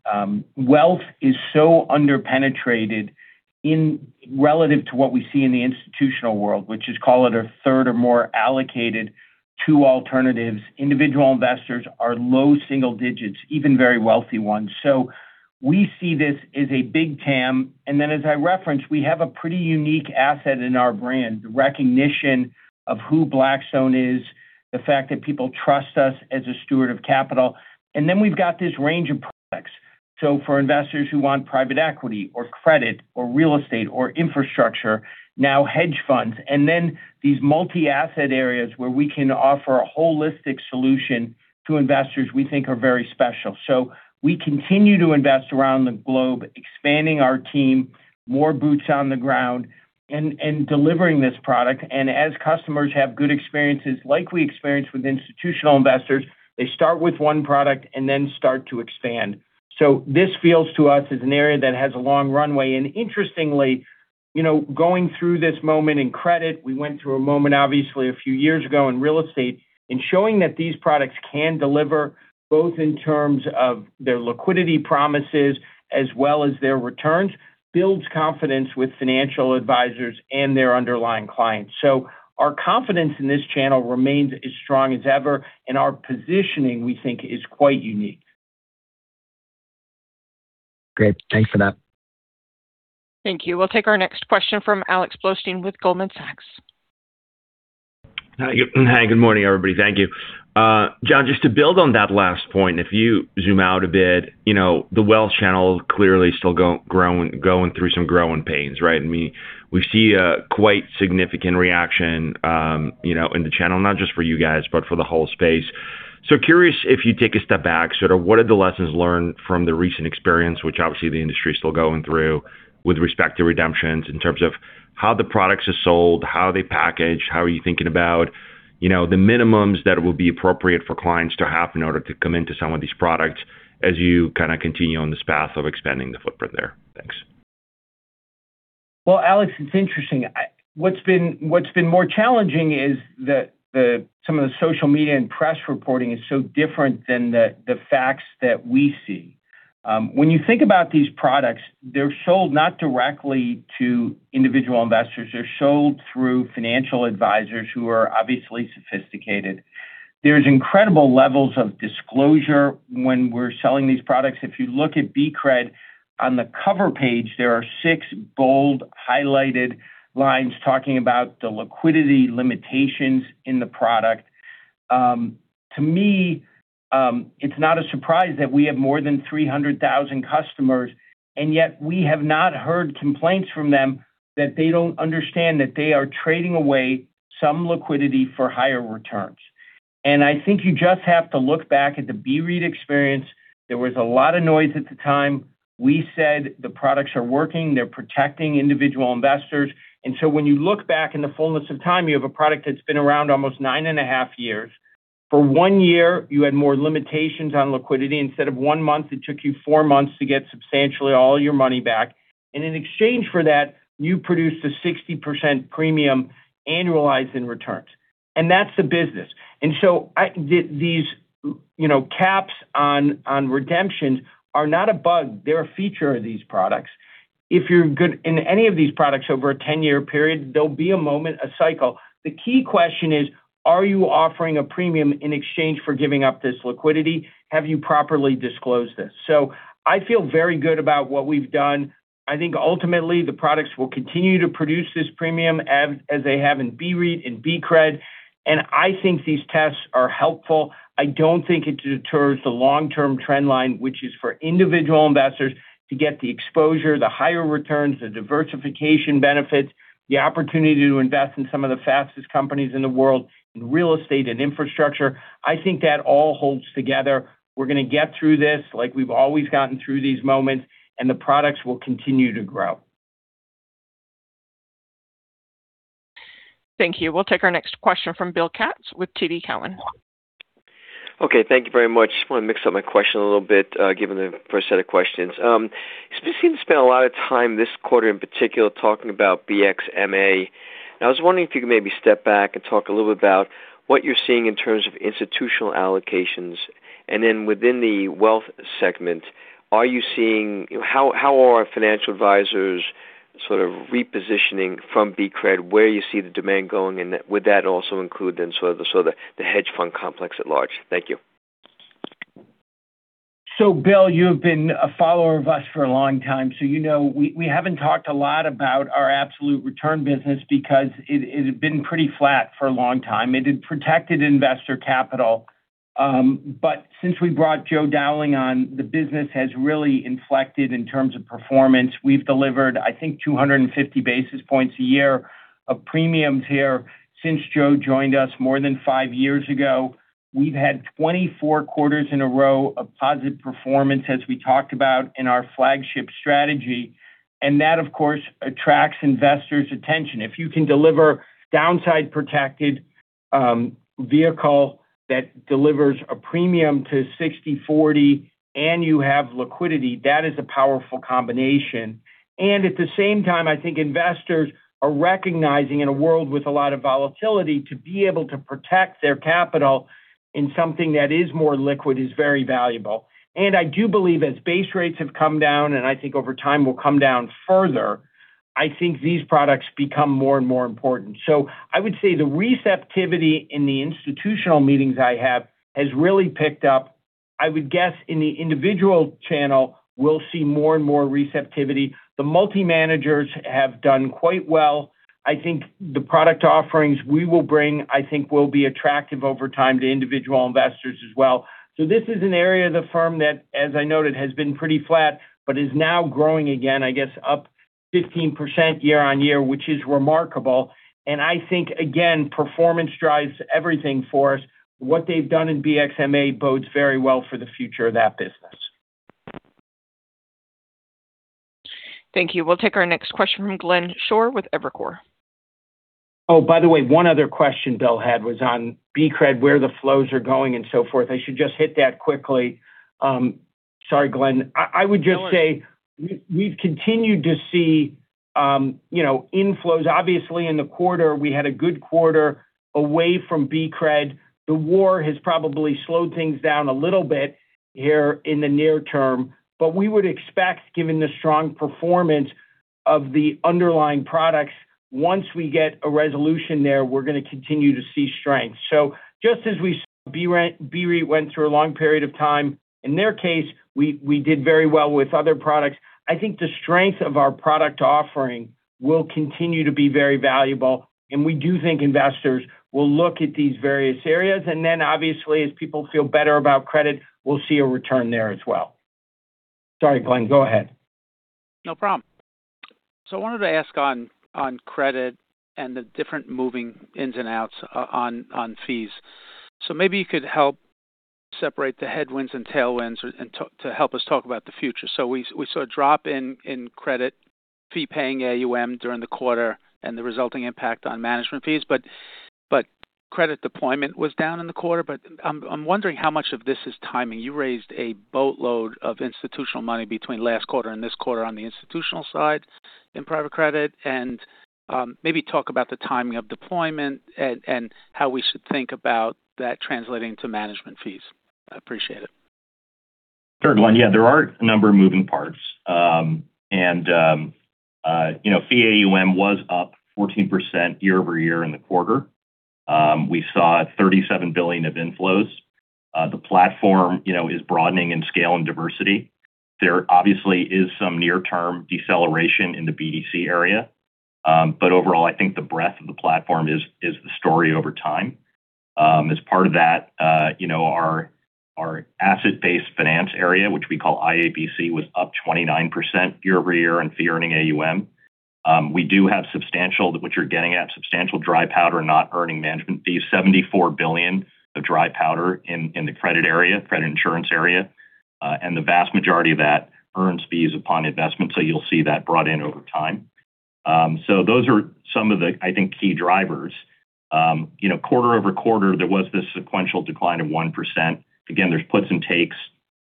Wealth is so under-penetrated relative to what we see in the institutional world, which is, call it a third or more allocated to alternatives. Individual investors are low single digits, even very wealthy ones. We see this as a big TAM. As I referenced, we have a pretty unique asset in our brand, the recognition of who Blackstone is, the fact that people trust us as a steward of capital. We've got this range of products. For investors who want private equity or credit or real estate or infrastructure, now hedge funds, and then these multi-asset areas where we can offer a holistic solution to investors we think are very special. We continue to invest around the globe, expanding our team, more boots on the ground, and delivering this product. As customers have good experiences, like we experience with institutional investors, they start with one product and then start to expand. This feels to us as an area that has a long runway. Interestingly, going through this moment in credit, we went through a moment, obviously, a few years ago in real estate, and showing that these products can deliver both in terms of their liquidity promises as well as their returns, builds confidence with financial advisors and their underlying clients. Our confidence in this channel remains as strong as ever, and our positioning, we think, is quite unique. Great. Thanks for that. Thank you. We'll take our next question from Alex Blostein with Goldman Sachs. Hi, good morning, everybody. Thank you. Jon, just to build on that last point, if you zoom out a bit, the wealth channel clearly still going through some growing pains, right? We see a quite significant reaction in the channel, not just for you guys, but for the whole space. Curious if you take a step back, sort of what are the lessons learned from the recent experience, which obviously the industry is still going through with respect to redemptions in terms of how the products are sold, how they package, how are you thinking about the minimums that will be appropriate for clients to have in order to come into some of these products as you kind of continue on this path of expanding the footprint there? Thanks. Well, Alex, it's interesting. What's been more challenging is that some of the social media and press reporting is so different than the facts that we see. When you think about these products, they're sold not directly to individual investors. They're sold through financial advisors who are obviously sophisticated. There's incredible levels of disclosure when we're selling these products. If you look at BCRED, on the cover page, there are six bold, highlighted lines talking about the liquidity limitations in the product. To me, it's not a surprise that we have more than 300,000 customers, and yet we have not heard complaints from them that they don't understand that they are trading away some liquidity for higher returns. I think you just have to look back at the BREIT experience. There was a lot of noise at the time. We said the products are working, they're protecting individual investors. When you look back in the fullness of time, you have a product that's been around almost 9.5 years. For one year, you had more limitations on liquidity. Instead of one month, it took you four months to get substantially all your money back. In exchange for that, you produced a 60% premium annualized in returns. That's the business. These caps on redemptions are not a bug. They're a feature of these products. In any of these products over a 10-year period, there'll be a moment, a cycle. The key question is, are you offering a premium in exchange for giving up this liquidity? Have you properly disclosed this? I feel very good about what we've done. I think ultimately the products will continue to produce this premium as they have in BREIT and BCRED. I think these tests are helpful. I don't think it deters the long-term trend line, which is for individual investors to get the exposure, the higher returns, the diversification benefits, the opportunity to invest in some of the fastest companies in the world in real estate and infrastructure. I think that all holds together. We're going to get through this like we've always gotten through these moments, and the products will continue to grow. Thank you. We'll take our next question from Bill Katz with TD Cowen. Okay. Thank you very much. Just want to mix up my question a little bit, given the first set of questions. You seem to spend a lot of time this quarter in particular talking about BXMA, and I was wondering if you could maybe step back and talk a little bit about what you're seeing in terms of institutional allocations, and then within the wealth segment, how are financial advisors sort of repositioning from BCRED, where you see the demand going, and would that also include then sort of the hedge fund complex at large? Thank you. Bill, you have been a follower of us for a long time. You know we haven't talked a lot about our absolute return business because it had been pretty flat for a long time. It had protected investor capital. Since we brought Joe Dowling on, the business has really inflected in terms of performance. We've delivered, I think, 250 basis points a year of premiums here since Joe joined us more than five years ago. We've had 24 quarters in a row of positive performance, as we talked about in our flagship strategy, and that, of course, attracts investors' attention. If you can deliver downside protected vehicle that delivers a premium to 60/40, and you have liquidity, that is a powerful combination. At the same time, I think investors are recognizing in a world with a lot of volatility, to be able to protect their capital in something that is more liquid is very valuable. I do believe as base rates have come down, and I think over time will come down further, I think these products become more and more important. I would say the receptivity in the institutional meetings I have has really picked up. I would guess in the individual channel, we'll see more and more receptivity. The multi-managers have done quite well. I think the product offerings we will bring, I think, will be attractive over time to individual investors as well. This is an area of the firm that, as I noted, has been pretty flat but is now growing again, I guess up 15% year-over-year, which is remarkable. I think, again, performance drives everything for us. What they've done in BXMA bodes very well for the future of that business. Thank you. We'll take our next question from Glenn Schorr with Evercore. Oh, by the way, one other question Bill had was on BCRED, where the flows are going and so forth. I should just hit that quickly. Sorry, Glenn. I would just say we've continued to see inflows. Obviously in the quarter, we had a good quarter away from BCRED. The war has probably slowed things down a little bit here in the near term. But we would expect, given the strong performance of the underlying products, once we get a resolution there, we're going to continue to see strength. Just as we saw BREIT went through a long period of time. In their case, we did very well with other products. I think the strength of our product offering will continue to be very valuable, and we do think investors will look at these various areas, and then obviously as people feel better about credit, we'll see a return there as well. Sorry, Glenn, go ahead. No problem. I wanted to ask on credit and the different moving ins and outs on fees. Maybe you could help separate the headwinds and tailwinds to help us talk about the future. We saw a drop in credit fee-paying AUM during the quarter, and the resulting impact on management fees, but credit deployment was down in the quarter. I'm wondering how much of this is timing. You raised a boatload of institutional money between last quarter and this quarter on the institutional side in private credit, and maybe talk about the timing of deployment and how we should think about that translating to management fees. I appreciate it. Sure, Glenn. Yeah, there are a number of moving parts. Fee AUM was up 14% year-over-year in the quarter. We saw $37 billion of inflows. The platform is broadening in scale and diversity. There obviously is some near-term deceleration in the BDC area. Overall, I think the breadth of the platform is the story over time. As part of that, our asset-based finance area, which we call IABC, was up 29% year-over-year in fee earning AUM. We do have substantial dry powder, which you're getting at, not earning management fees, $74 billion of dry powder in the credit area and insurance area, and the vast majority of that earns fees upon investment. You'll see that brought in over time. Those are some of the, I think, key drivers. Quarter-over-quarter, there was this sequential decline of 1%. Again, there's puts and takes.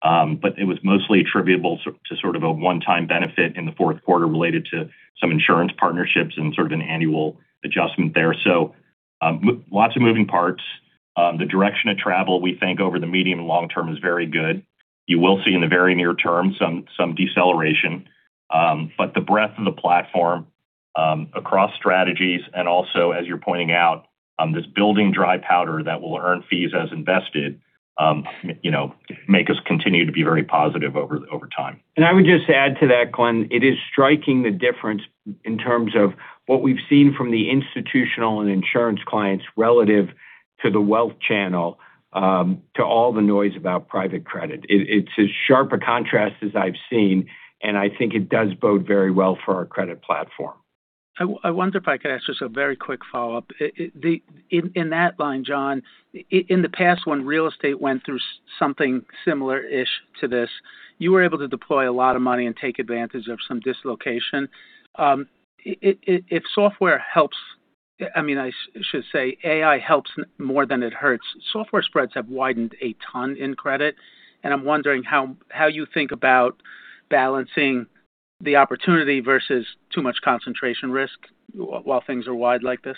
It was mostly attributable to sort of a one-time benefit in the fourth quarter related to some insurance partnerships and sort of an annual adjustment there. Lots of moving parts. The direction of travel, we think over the medium and long term is very good. You will see in the very near term some deceleration. The breadth of the platform, across strategies, and also as you're pointing out, this building dry powder that will earn fees as invested make us continue to be very positive over time. I would just add to that, Glenn, it is striking the difference in terms of what we've seen from the institutional and insurance clients relative to the wealth channel to all the noise about private credit. It's as sharp a contrast as I've seen, and I think it does bode very well for our credit platform. I wonder if I could ask just a very quick follow-up. In that line, Jon, in the past when real estate went through something similar-ish to this, you were able to deploy a lot of money and take advantage of some dislocation. If software helps, I should say AI helps more than it hurts, software spreads have widened a ton in credit, and I'm wondering how you think about balancing the opportunity versus too much concentration risk while things are wide like this.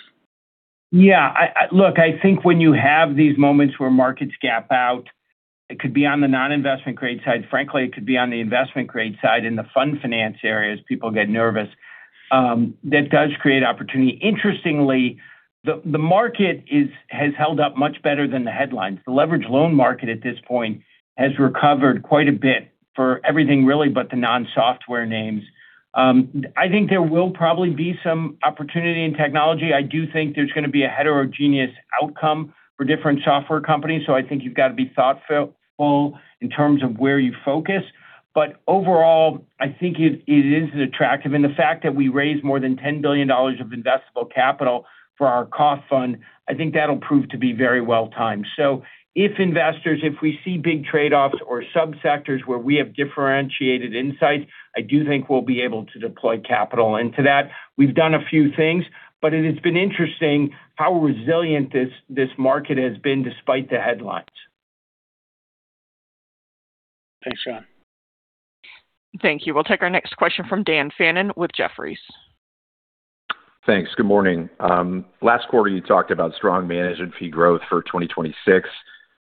Yeah. Look, I think when you have these moments where markets gap out, it could be on the non-investment grade side. Frankly, it could be on the investment grade side in the fund finance area as people get nervous. That does create opportunity. Interestingly, the market has held up much better than the headlines. The leveraged loan market at this point has recovered quite a bit for everything really, but the non-software names. I think there will probably be some opportunity in technology. I do think there's going to be a heterogeneous outcome for different software companies, so I think you've got to be thoughtful in terms of where you focus. But overall, I think it is attractive. The fact that we raised more than $10 billion of investable capital for our COF fund, I think that'll prove to be very well timed. if investors, if we see big trade-offs or sub-sectors where we have differentiated insights, I do think we'll be able to deploy capital into that. We've done a few things, but it has been interesting how resilient this market has been despite the headlines. Thanks, Jon. Thank you. We'll take our next question from Dan Fannon with Jefferies. Thanks. Good morning. Last quarter you talked about strong management fee growth for 2026.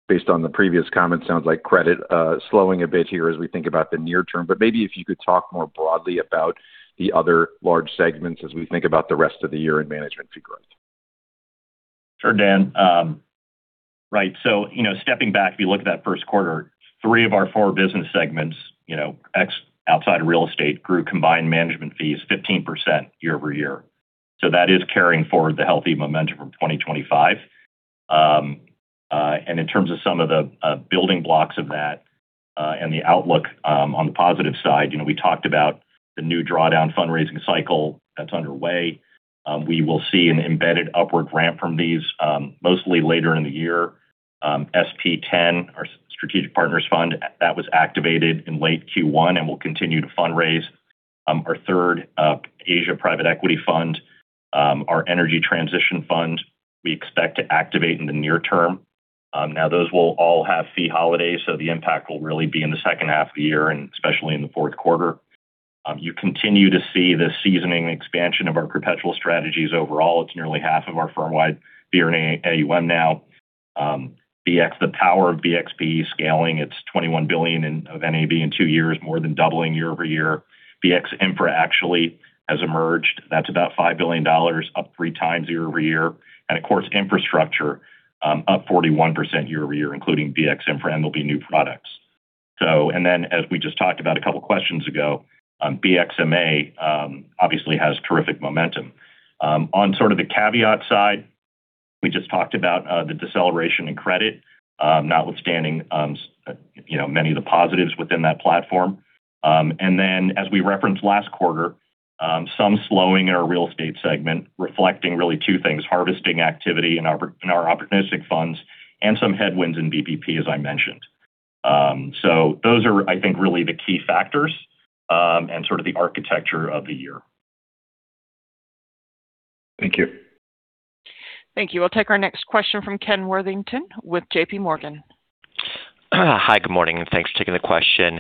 Based on the previous comments, sounds like credit slowing a bit here as we think about the near term, but maybe if you could talk more broadly about the other large segments as we think about the rest of the year in management fee growth. Sure, Dan. Right. Stepping back, if you look at that first quarter, three of our four business segments outside of real estate grew combined management fees 15% year-over-year. That is carrying forward the healthy momentum from 2025. In terms of some of the building blocks of that, and the outlook, on the positive side, we talked about the new drawdown fundraising cycle that's underway. We will see an embedded upward ramp from these, mostly later in the year. SP X, our strategic partners fund, that was activated in late Q1 and will continue to fundraise. Our third Asia private equity fund, our energy transition fund, we expect to activate in the near term. Now those will all have fee holidays, so the impact will really be in the second half of the year and especially in the fourth quarter. You continue to see the seasoning expansion of our perpetual strategies. Overall, it's nearly half of our firm-wide fee earning AUM now. The power of BPP scaling its $21 billion of NAV in two years, more than doubling year-over-year. BXINFRA actually has emerged. That's about $5 billion, up three times year-over-year. Of course, infrastructure up 41% year-over-year, including BXINFRA and there'll be new products. As we just talked about a couple questions ago, BXMA obviously has terrific momentum. On sort of the caveat side We just talked about the deceleration in credit, notwithstanding many of the positives within that platform. As we referenced last quarter, some slowing in our real estate segment, reflecting really two things, harvesting activity in our opportunistic funds and some headwinds in BPP, as I mentioned. Those are, I think, really the key factors and sort of the architecture of the year. Thank you. Thank you. We'll take our next question from Kenneth Worthington with JPMorgan. Hi, good morning, and thanks for taking the question.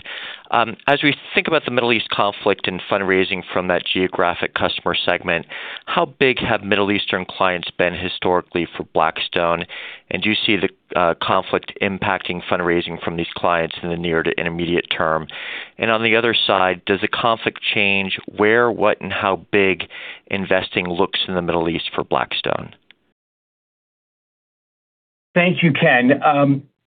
As we think about the Middle East conflict and fundraising from that geographic customer segment, how big have Middle Eastern clients been historically for Blackstone? And do you see the conflict impacting fundraising from these clients in the near to intermediate term? And on the other side, does the conflict change where, what, and how big investing looks in the Middle East for Blackstone? Thank you, Ken.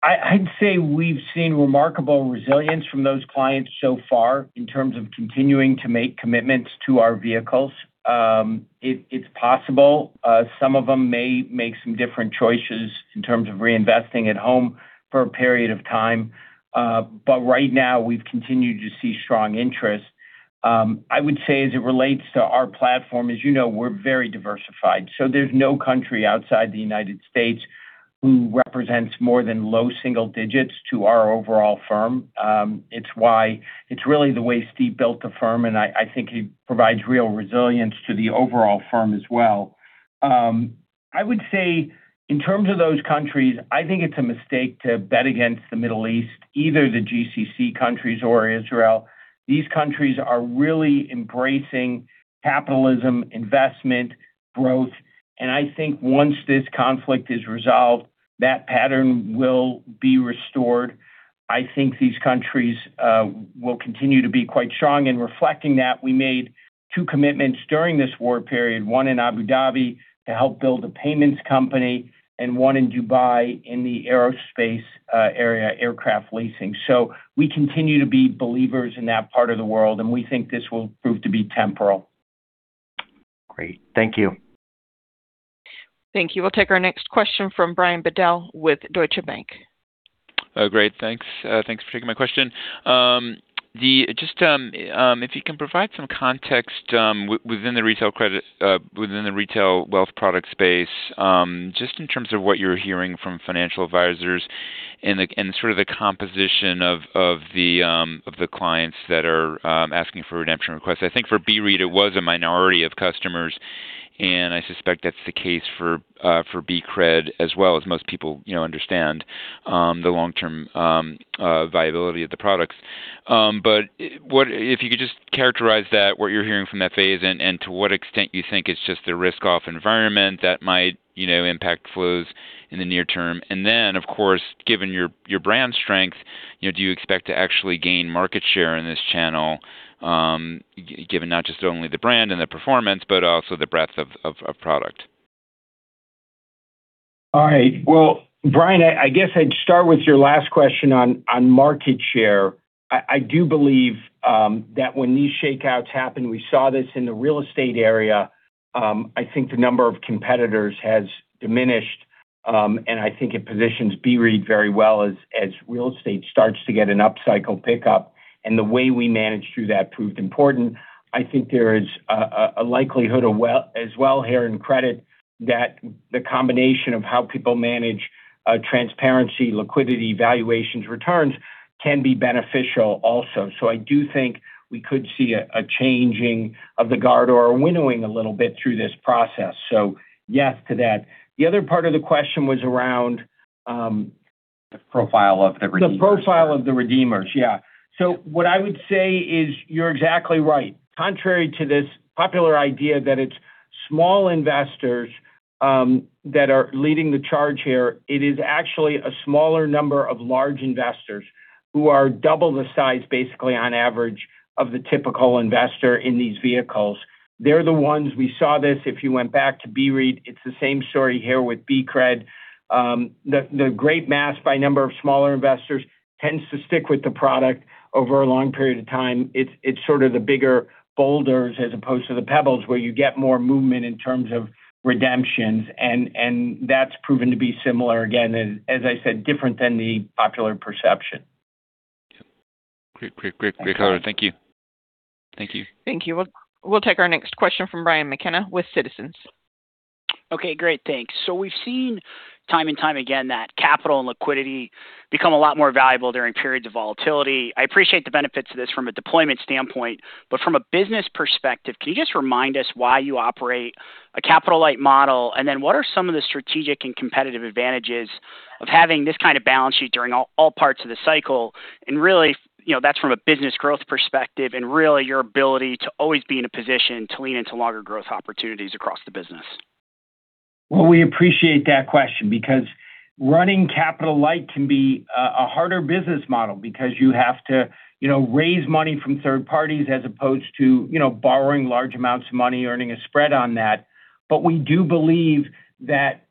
I'd say we've seen remarkable resilience from those clients so far in terms of continuing to make commitments to our vehicles. It's possible some of them may make some different choices in terms of reinvesting at home for a period of time. Right now, we've continued to see strong interest. I would say, as it relates to our platform, as you know, we're very diversified. There's no country outside the United States who represents more than low single digits to our overall firm. It's really the way Steve built the firm, and I think it provides real resilience to the overall firm as well. I would say, in terms of those countries, I think it's a mistake to bet against the Middle East, either the GCC countries or Israel. These countries are really embracing capitalism, investment, growth, and I think once this conflict is resolved, that pattern will be restored. I think these countries will continue to be quite strong. In reflecting that, we made two commitments during this war period, one in Abu Dhabi to help build a payments company, and one in Dubai in the aerospace area, aircraft leasing. We continue to be believers in that part of the world, and we think this will prove to be temporary. Great. Thank you. Thank you. We'll take our next question from Brian Bedell with Deutsche Bank. Oh, great. Thanks for taking my question. If you can provide some context within the retail wealth product space, just in terms of what you're hearing from financial advisors and sort of the composition of the clients that are asking for redemption requests. I think for BREIT, it was a minority of customers, and I suspect that's the case for BCRED as well, as most people understand the long-term viability of the products. If you could just characterize that, what you're hearing from that space, and to what extent you think it's just a risk-off environment that might impact flows in the near term. Then, of course, given your brand strength, do you expect to actually gain market share in this channel given not just only the brand and the performance, but also the breadth of product? All right. Well, Brian, I guess I'd start with your last question on market share. I do believe that when these shakeouts happen, we saw this in the real estate area. I think the number of competitors has diminished, and I think it positions BREIT very well as real estate starts to get an upcycle pickup. The way we managed through that proved important. I think there is a likelihood as well here in credit that the combination of how people manage transparency, liquidity, valuations, returns can be beneficial also. I do think we could see a changing of the guard or a winnowing a little bit through this process. Yes to that. The other part of the question was around- The profile of the redeemers. The profile of the redeemers. Yeah. What I would say is, you're exactly right. Contrary to this popular idea that it's small investors that are leading the charge here, it is actually a smaller number of large investors who are double the size, basically, on average, of the typical investor in these vehicles. They're the ones. We saw this if you went back to BREIT. It's the same story here with BCRED. The great mass by number of smaller investors tends to stick with the product over a long period of time. It's sort of the bigger boulders as opposed to the pebbles where you get more movement in terms of redemptions, and that's proven to be similar, again, as I said, different than the popular perception. Great color. Thank you. Thank you. We'll take our next question from Brian McKenna with Citizens. Okay, great. Thanks. We've seen time and time again that capital and liquidity become a lot more valuable during periods of volatility. I appreciate the benefits of this from a deployment standpoint, but from a business perspective, can you just remind us why you operate a capital-light model? What are some of the strategic and competitive advantages of having this kind of balance sheet during all parts of the cycle? Really, that's from a business growth perspective and really your ability to always be in a position to lean into longer growth opportunities across the business. Well, we appreciate that question because running capital-light can be a harder business model because you have to raise money from third parties as opposed to borrowing large amounts of money, earning a spread on that. We do believe that.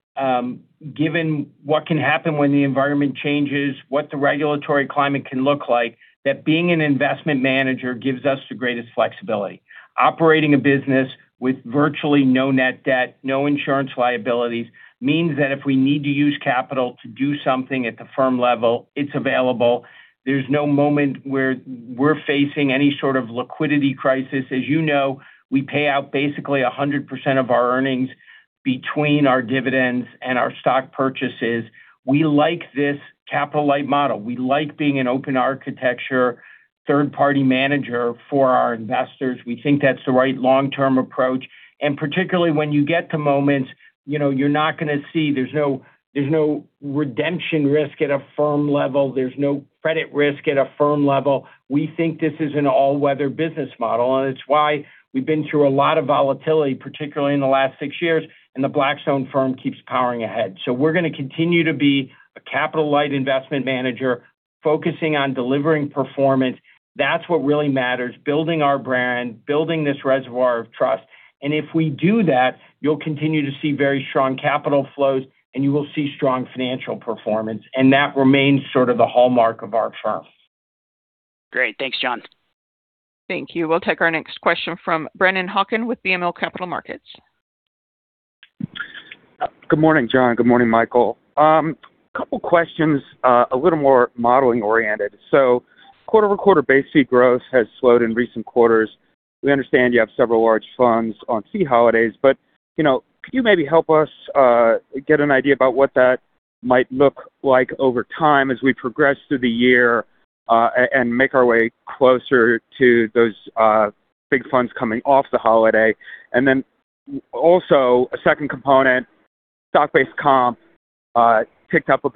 Given what can happen when the environment changes, what the regulatory climate can look like, that being an investment manager gives us the greatest flexibility. Operating a business with virtually no net debt, no insurance liabilities means that if we need to use capital to do something at the firm level, it's available. There's no moment where we're facing any sort of liquidity crisis. As you know, we pay out basically 100% of our earnings between our dividends and our stock purchases. We like this capital-light model. We like being an open architecture, third-party manager for our investors. We think that's the right long-term approach. Particularly when you get to moments, you're not going to see there's no redemption risk at a firm level. There's no credit risk at a firm level. We think this is an all-weather business model, and it's why we've been through a lot of volatility, particularly in the last six years, and the Blackstone firm keeps powering ahead. We're going to continue to be a capital-light investment manager focusing on delivering performance. That's what really matters, building our brand, building this reservoir of trust. If we do that, you'll continue to see very strong capital flows, and you will see strong financial performance, and that remains sort of the hallmark of our firm. Great. Thanks, Jon. Thank you. We'll take our next question from Brennan Hawken with BMO Capital Markets. Good morning, Jon. Good morning, Michael. A couple questions, a little more modeling-oriented. Quarter-over-quarter base fee growth has slowed in recent quarters. We understand you have several large funds on fee holidays, but could you maybe help us get an idea about what that might look like over time as we progress through the year, and make our way closer to those big funds coming off the holiday? A second component, stock-based comp, ticked up a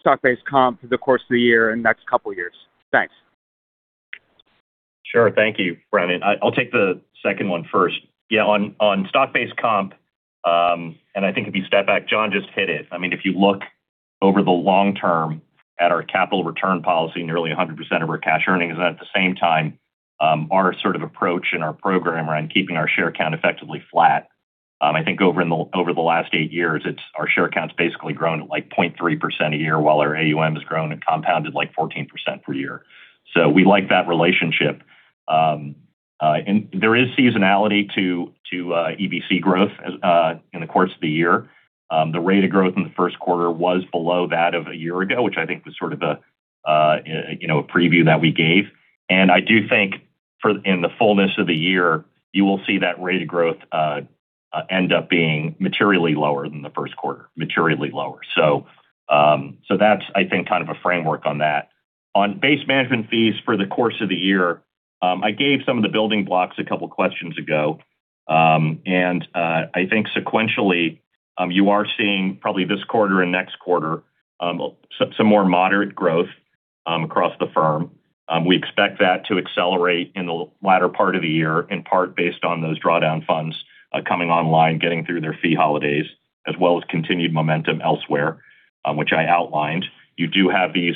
bit here. How should we think about stock-based comp through the course of the year and next couple years? Thanks. Sure. Thank you, Brennan. I'll take the second one first. Yeah, on stock-based comp, and I think if you step back, Jon just hit it. If you look over the long term at our capital return policy, nearly 100% of our cash earnings, and at the same time, our sort of approach and our program around keeping our share count effectively flat. I think over the last 8 years, our share count's basically grown at 0.3% a year while our AUM has grown and compounded 14% per year. So we like that relationship. There is seasonality to SBC growth in the course of the year. The rate of growth in the first quarter was below that of a year ago, which I think was sort of a preview that we gave. I do think in the fullness of the year, you will see that rate of growth end up being materially lower than the first quarter. Materially lower. That's, I think, kind of a framework on that. On base management fees for the course of the year, I gave some of the building blocks a couple of questions ago, and I think sequentially, you are seeing probably this quarter and next quarter, some more moderate growth across the firm. We expect that to accelerate in the latter part of the year, in part based on those drawdown funds coming online, getting through their fee holidays, as well as continued momentum elsewhere, which I outlined. You do have these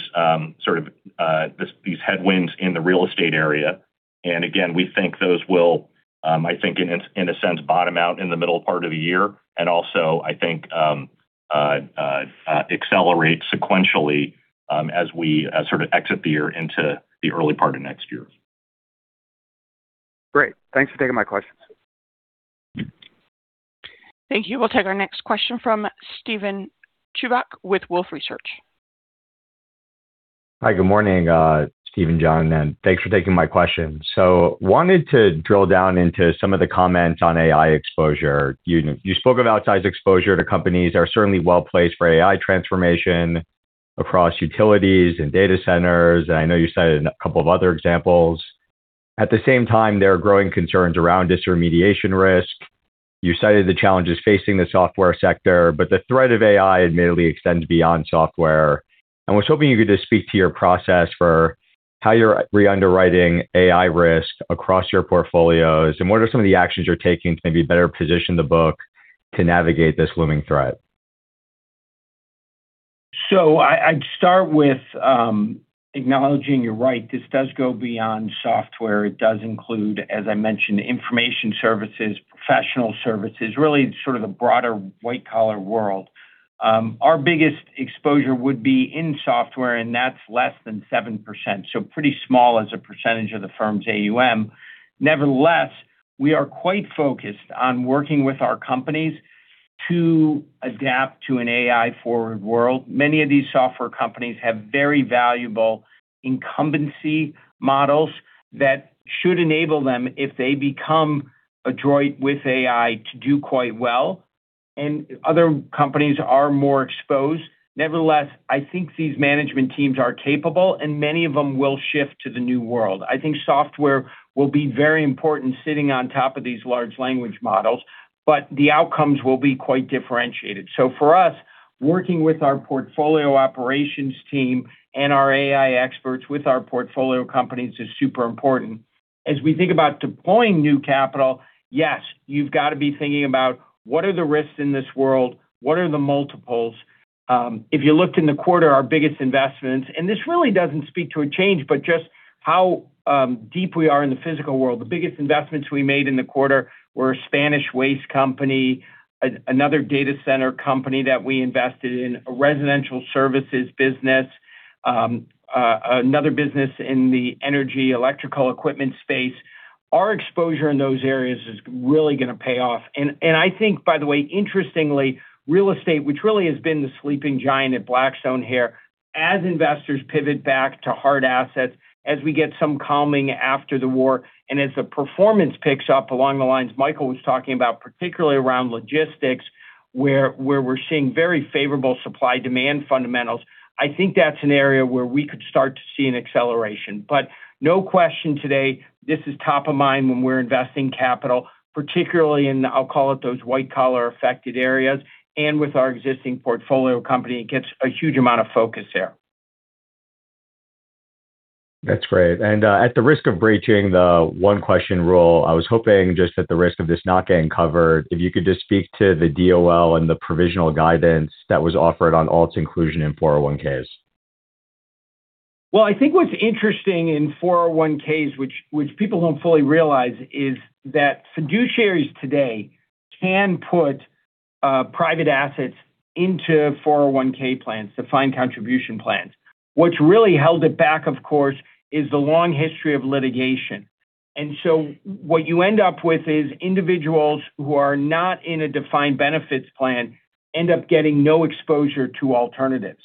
sort of headwinds in the real estate area, and again, we think those will, I think in a sense, bottom out in the middle part of the year also, I think accelerate sequentially, as we sort of exit the year into the early part of next year. Great. Thanks for taking my questions. Thank you. We'll take our next question from Steven Chubak with Wolfe Research. Hi, good morning, Steve and Jon, and thanks for taking my question. Wanted to drill down into some of the comments on AI exposure. You spoke of upside exposure to companies are certainly well-placed for AI transformation across utilities and data centers, and I know you cited a couple of other examples. At the same time, there are growing concerns around disintermediation risk. You cited the challenges facing the software sector, but the threat of AI admittedly extends beyond software. I was hoping you could just speak to your process for how you're re-underwriting AI risk across your portfolios, and what are some of the actions you're taking to maybe better position the book to navigate this looming threat? I'd start with acknowledging you're right. This does go beyond software. It does include, as I mentioned, information services, professional services, really sort of the broader white-collar world. Our biggest exposure would be in software, and that's less than 7%. Pretty small as a percentage of the firm's AUM. Nevertheless, we are quite focused on working with our companies to adapt to an AI-forward world. Many of these software companies have very valuable incumbency models that should enable them, if they become adroit with AI, to do quite well, and other companies are more exposed. Nevertheless, I think these management teams are capable, and many of them will shift to the new world. I think software will be very important sitting on top of these large language models, but the outcomes will be quite differentiated. For us, working with our portfolio operations team and our AI experts with our portfolio companies is super important. As we think about deploying new capital, yes, you've got to be thinking about what are the risks in this world, what are the multiples? If you looked in the quarter, our biggest investments, and this really doesn't speak to a change, but just how deep we are in the physical world. The biggest investments we made in the quarter were a Spanish waste company, another data center company that we invested in, a residential services business, another business in the energy electrical equipment space. Our exposure in those areas is really going to pay off. I think, by the way, interestingly, real estate, which really has been the sleeping giant at Blackstone here, as investors pivot back to hard assets, as we get some calming after the war, and as the performance picks up along the lines Michael was talking about, particularly around logistics, where we're seeing very favorable supply-demand fundamentals. I think that's an area where we could start to see an acceleration. No question today, this is top of mind when we're investing capital, particularly in, I'll call it, those white-collar affected areas. With our existing portfolio company, it gets a huge amount of focus there. That's great. At the risk of breaching the one-question rule, I was hoping just at the risk of this not getting covered, if you could just speak to the DOL and the provisional guidance that was offered on alts inclusion in 401(k)s. Well, I think what's interesting in 401(k)s, which people don't fully realize, is that fiduciaries today can put private assets into 401(k) plans, defined contribution plans. What's really held it back, of course, is the long history of litigation. What you end up with is individuals who are not in a defined benefit plan end up getting no exposure to alternatives.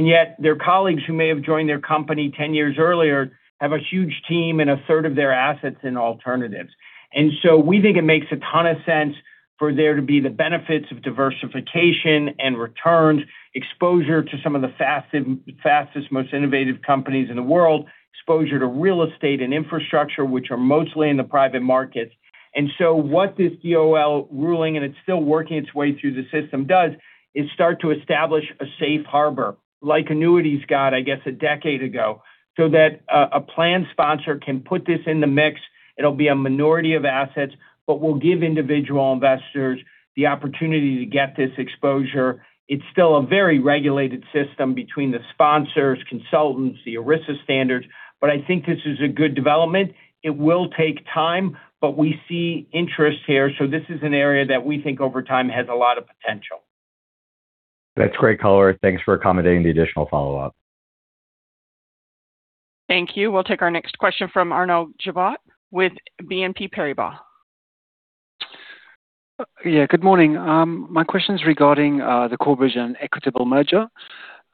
Yet, their colleagues who may have joined their company 10 years earlier have a huge team and a third of their assets in alternatives. We think it makes a ton of sense for there to be the benefits of diversification and returns, exposure to some of the fastest, most innovative companies in the world, exposure to real estate and infrastructure, which are mostly in the private markets. What this DOL ruling, and it's still working its way through the system, does is start to establish a safe harbor like annuities got, I guess, a decade ago, so that a plan sponsor can put this in the mix. It'll be a minority of assets, but will give individual investors the opportunity to get this exposure. It's still a very regulated system between the sponsors, consultants, the ERISA standards, but I think this is a good development. It will take time, but we see interest here. This is an area that we think over time has a lot of potential. That's great color. Thanks for accommodating the additional follow-up. Thank you. We'll take our next question from Arnaud Giblat with BNP Paribas. Yeah. Good morning. My question is regarding the Corebridge and Equitable Holdings merger.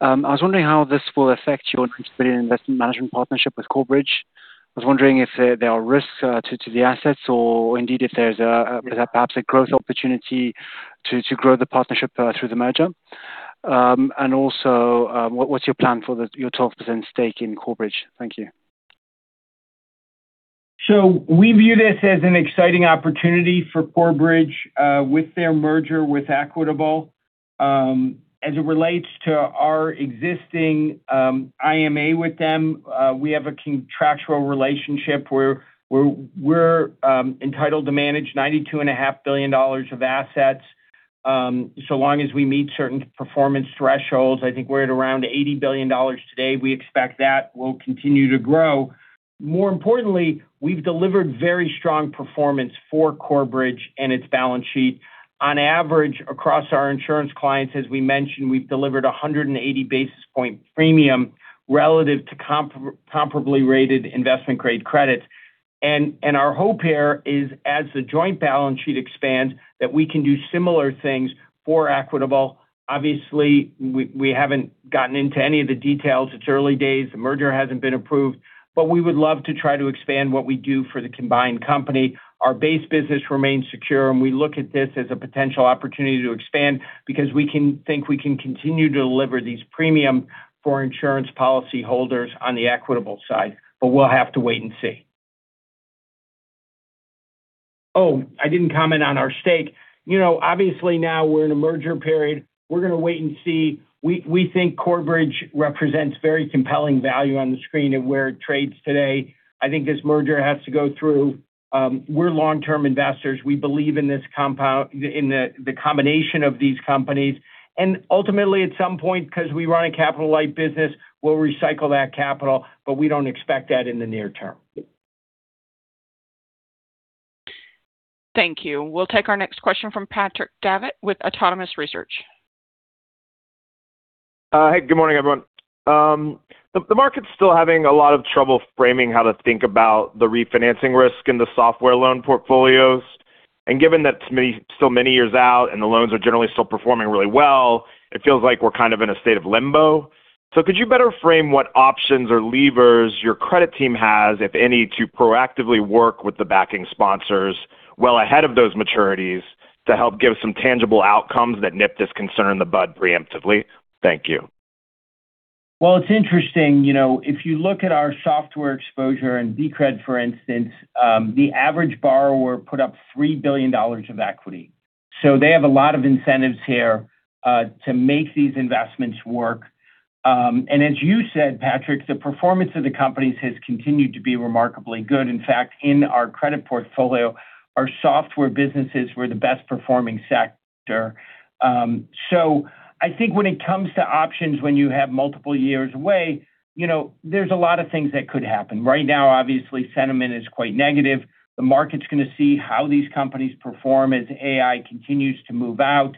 I was wondering how this will affect your distribution investment management partnership with Corebridge. I was wondering if there are risks to the assets or indeed if there's perhaps a growth opportunity to grow the partnership through the merger. Also, what's your plan for your 12% stake in Corebridge? Thank you. We view this as an exciting opportunity for Corebridge with their merger with Equitable. As it relates to our existing IMA with them, we have a contractual relationship where we're entitled to manage $92.5 billion of assets, so long as we meet certain performance thresholds. I think we're at around $80 billion today. We expect that will continue to grow. More importantly, we've delivered very strong performance for Corebridge and its balance sheet. On average, across our insurance clients, as we mentioned, we've delivered 180 basis points premium relative to comparably rated investment-grade credits. Our hope here is as the joint balance sheet expands, that we can do similar things for Equitable. Obviously, we haven't gotten into any of the details. It's early days. The merger hasn't been approved. We would love to try to expand what we do for the combined company. Our base business remains secure, and we look at this as a potential opportunity to expand because we think we can continue to deliver these premiums for insurance policyholders on the Equitable side, but we'll have to wait and see. Oh, I didn't comment on our stake. Obviously, now we're in a merger period. We're going to wait and see. We think Corebridge represents very compelling value on the screen at where it trades today. I think this merger has to go through. We're long-term investors. We believe in the combination of these companies. Ultimately, at some point, because we run a capital-light business, we'll recycle that capital, but we don't expect that in the near term. Thank you. We'll take our next question from Patrick Davitt with Autonomous Research. Hey, good morning, everyone. The market's still having a lot of trouble framing how to think about the refinancing risk in the software loan portfolios. Given that it's still many years out and the loans are generally still performing really well, it feels like we're in a state of limbo. Could you better frame what options or levers your credit team has, if any, to proactively work with the backing sponsors well ahead of those maturities to help give some tangible outcomes that nip this concern in the bud preemptively? Thank you. Well, it's interesting. If you look at our software exposure in BCRED, for instance, the average borrower put up $3 billion of equity. So they have a lot of incentives here to make these investments work. As you said, Patrick, the performance of the companies has continued to be remarkably good. In fact, in our credit portfolio, our software businesses were the best performing sector. I think when it comes to options, when you have multiple years away, there's a lot of things that could happen. Right now, obviously, sentiment is quite negative. The market's going to see how these companies perform as AI continues to move out.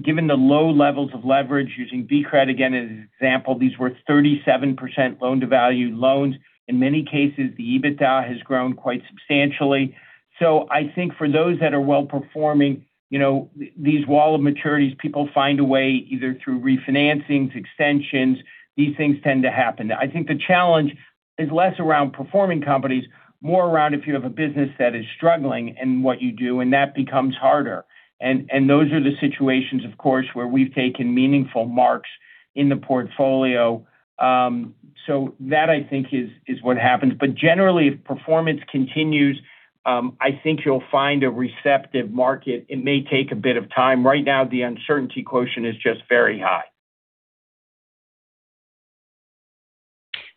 Given the low levels of leverage, using BCRED again as an example, these were 37% loan-to-value loans. In many cases, the EBITDA has grown quite substantially. I think for those that are well-performing, these wall of maturities, people find a way, either through refinancings, extensions, these things tend to happen. I think the challenge is less around performing companies, more around if you have a business that is struggling in what you do, and that becomes harder. Those are the situations, of course, where we've taken meaningful marks in the portfolio. That, I think, is what happens. Generally, if performance continues, I think you'll find a receptive market. It may take a bit of time. Right now, the uncertainty quotient is just very high.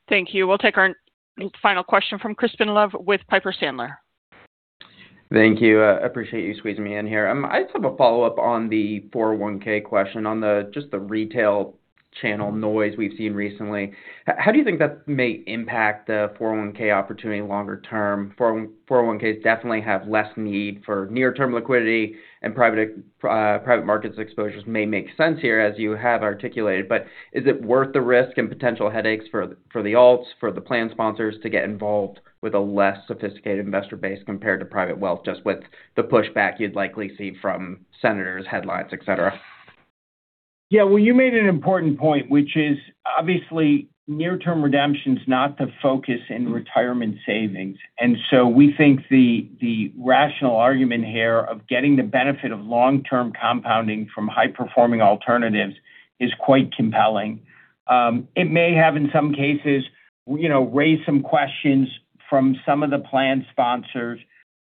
Thank you. We'll take our final question from Crispin Love with Piper Sandler. Thank you. I appreciate you squeezing me in here. I just have a follow-up on the 401(k) question on just the retail channel noise we've seen recently. How do you think that may impact the 401(k) opportunity longer term? 401(k)s definitely have less need for near-term liquidity and private markets exposures may make sense here, as you have articulated. But is it worth the risk and potential headaches for the alts, for the plan sponsors to get involved with a less sophisticated investor base compared to private wealth, just with the pushback you'd likely see from senators, headlines, et cetera? Yeah. Well, you made an important point, which is obviously near-term redemption's not the focus in retirement savings. We think the rational argument here of getting the benefit of long-term compounding from high-performing alternatives is quite compelling. It may have, in some cases, raised some questions from some of the plan sponsors.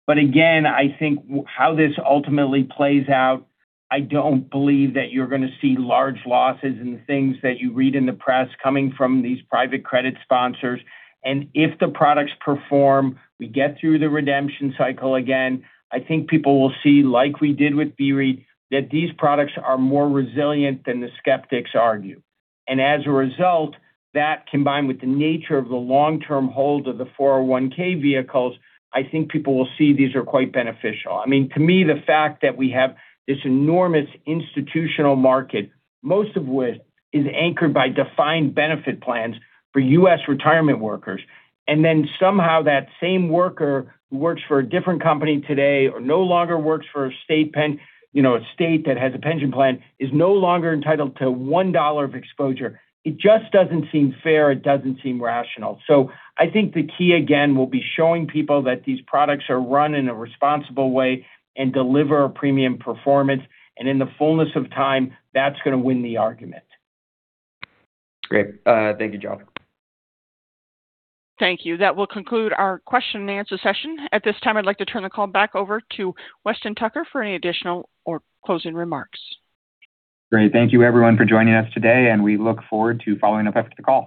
Again, I think how this ultimately plays out, I don't believe that you're going to see large losses in the things that you read in the press coming from these private credit sponsors. If the products perform, we get through the redemption cycle again, I think people will see, like we did with BREIT, that these products are more resilient than the skeptics argue. As a result, that combined with the nature of the long-term hold of the 401(k) vehicles, I think people will see these are quite beneficial. To me, the fact that we have this enormous institutional market, most of which is anchored by defined benefit plans for U.S. retirement workers, and then somehow that same worker who works for a different company today or no longer works for a state that has a pension plan, is no longer entitled to one dollar of exposure. It just doesn't seem fair. It doesn't seem rational. So I think the key, again, will be showing people that these products are run in a responsible way and deliver a premium performance. In the fullness of time, that's going to win the argument. Great. Thank you, Jon. Thank you. That will conclude our question-and-answer session. At this time, I'd like to turn the call back over to Weston Tucker for any additional or closing remarks. Great. Thank you everyone for joining us today, and we look forward to following up after the call.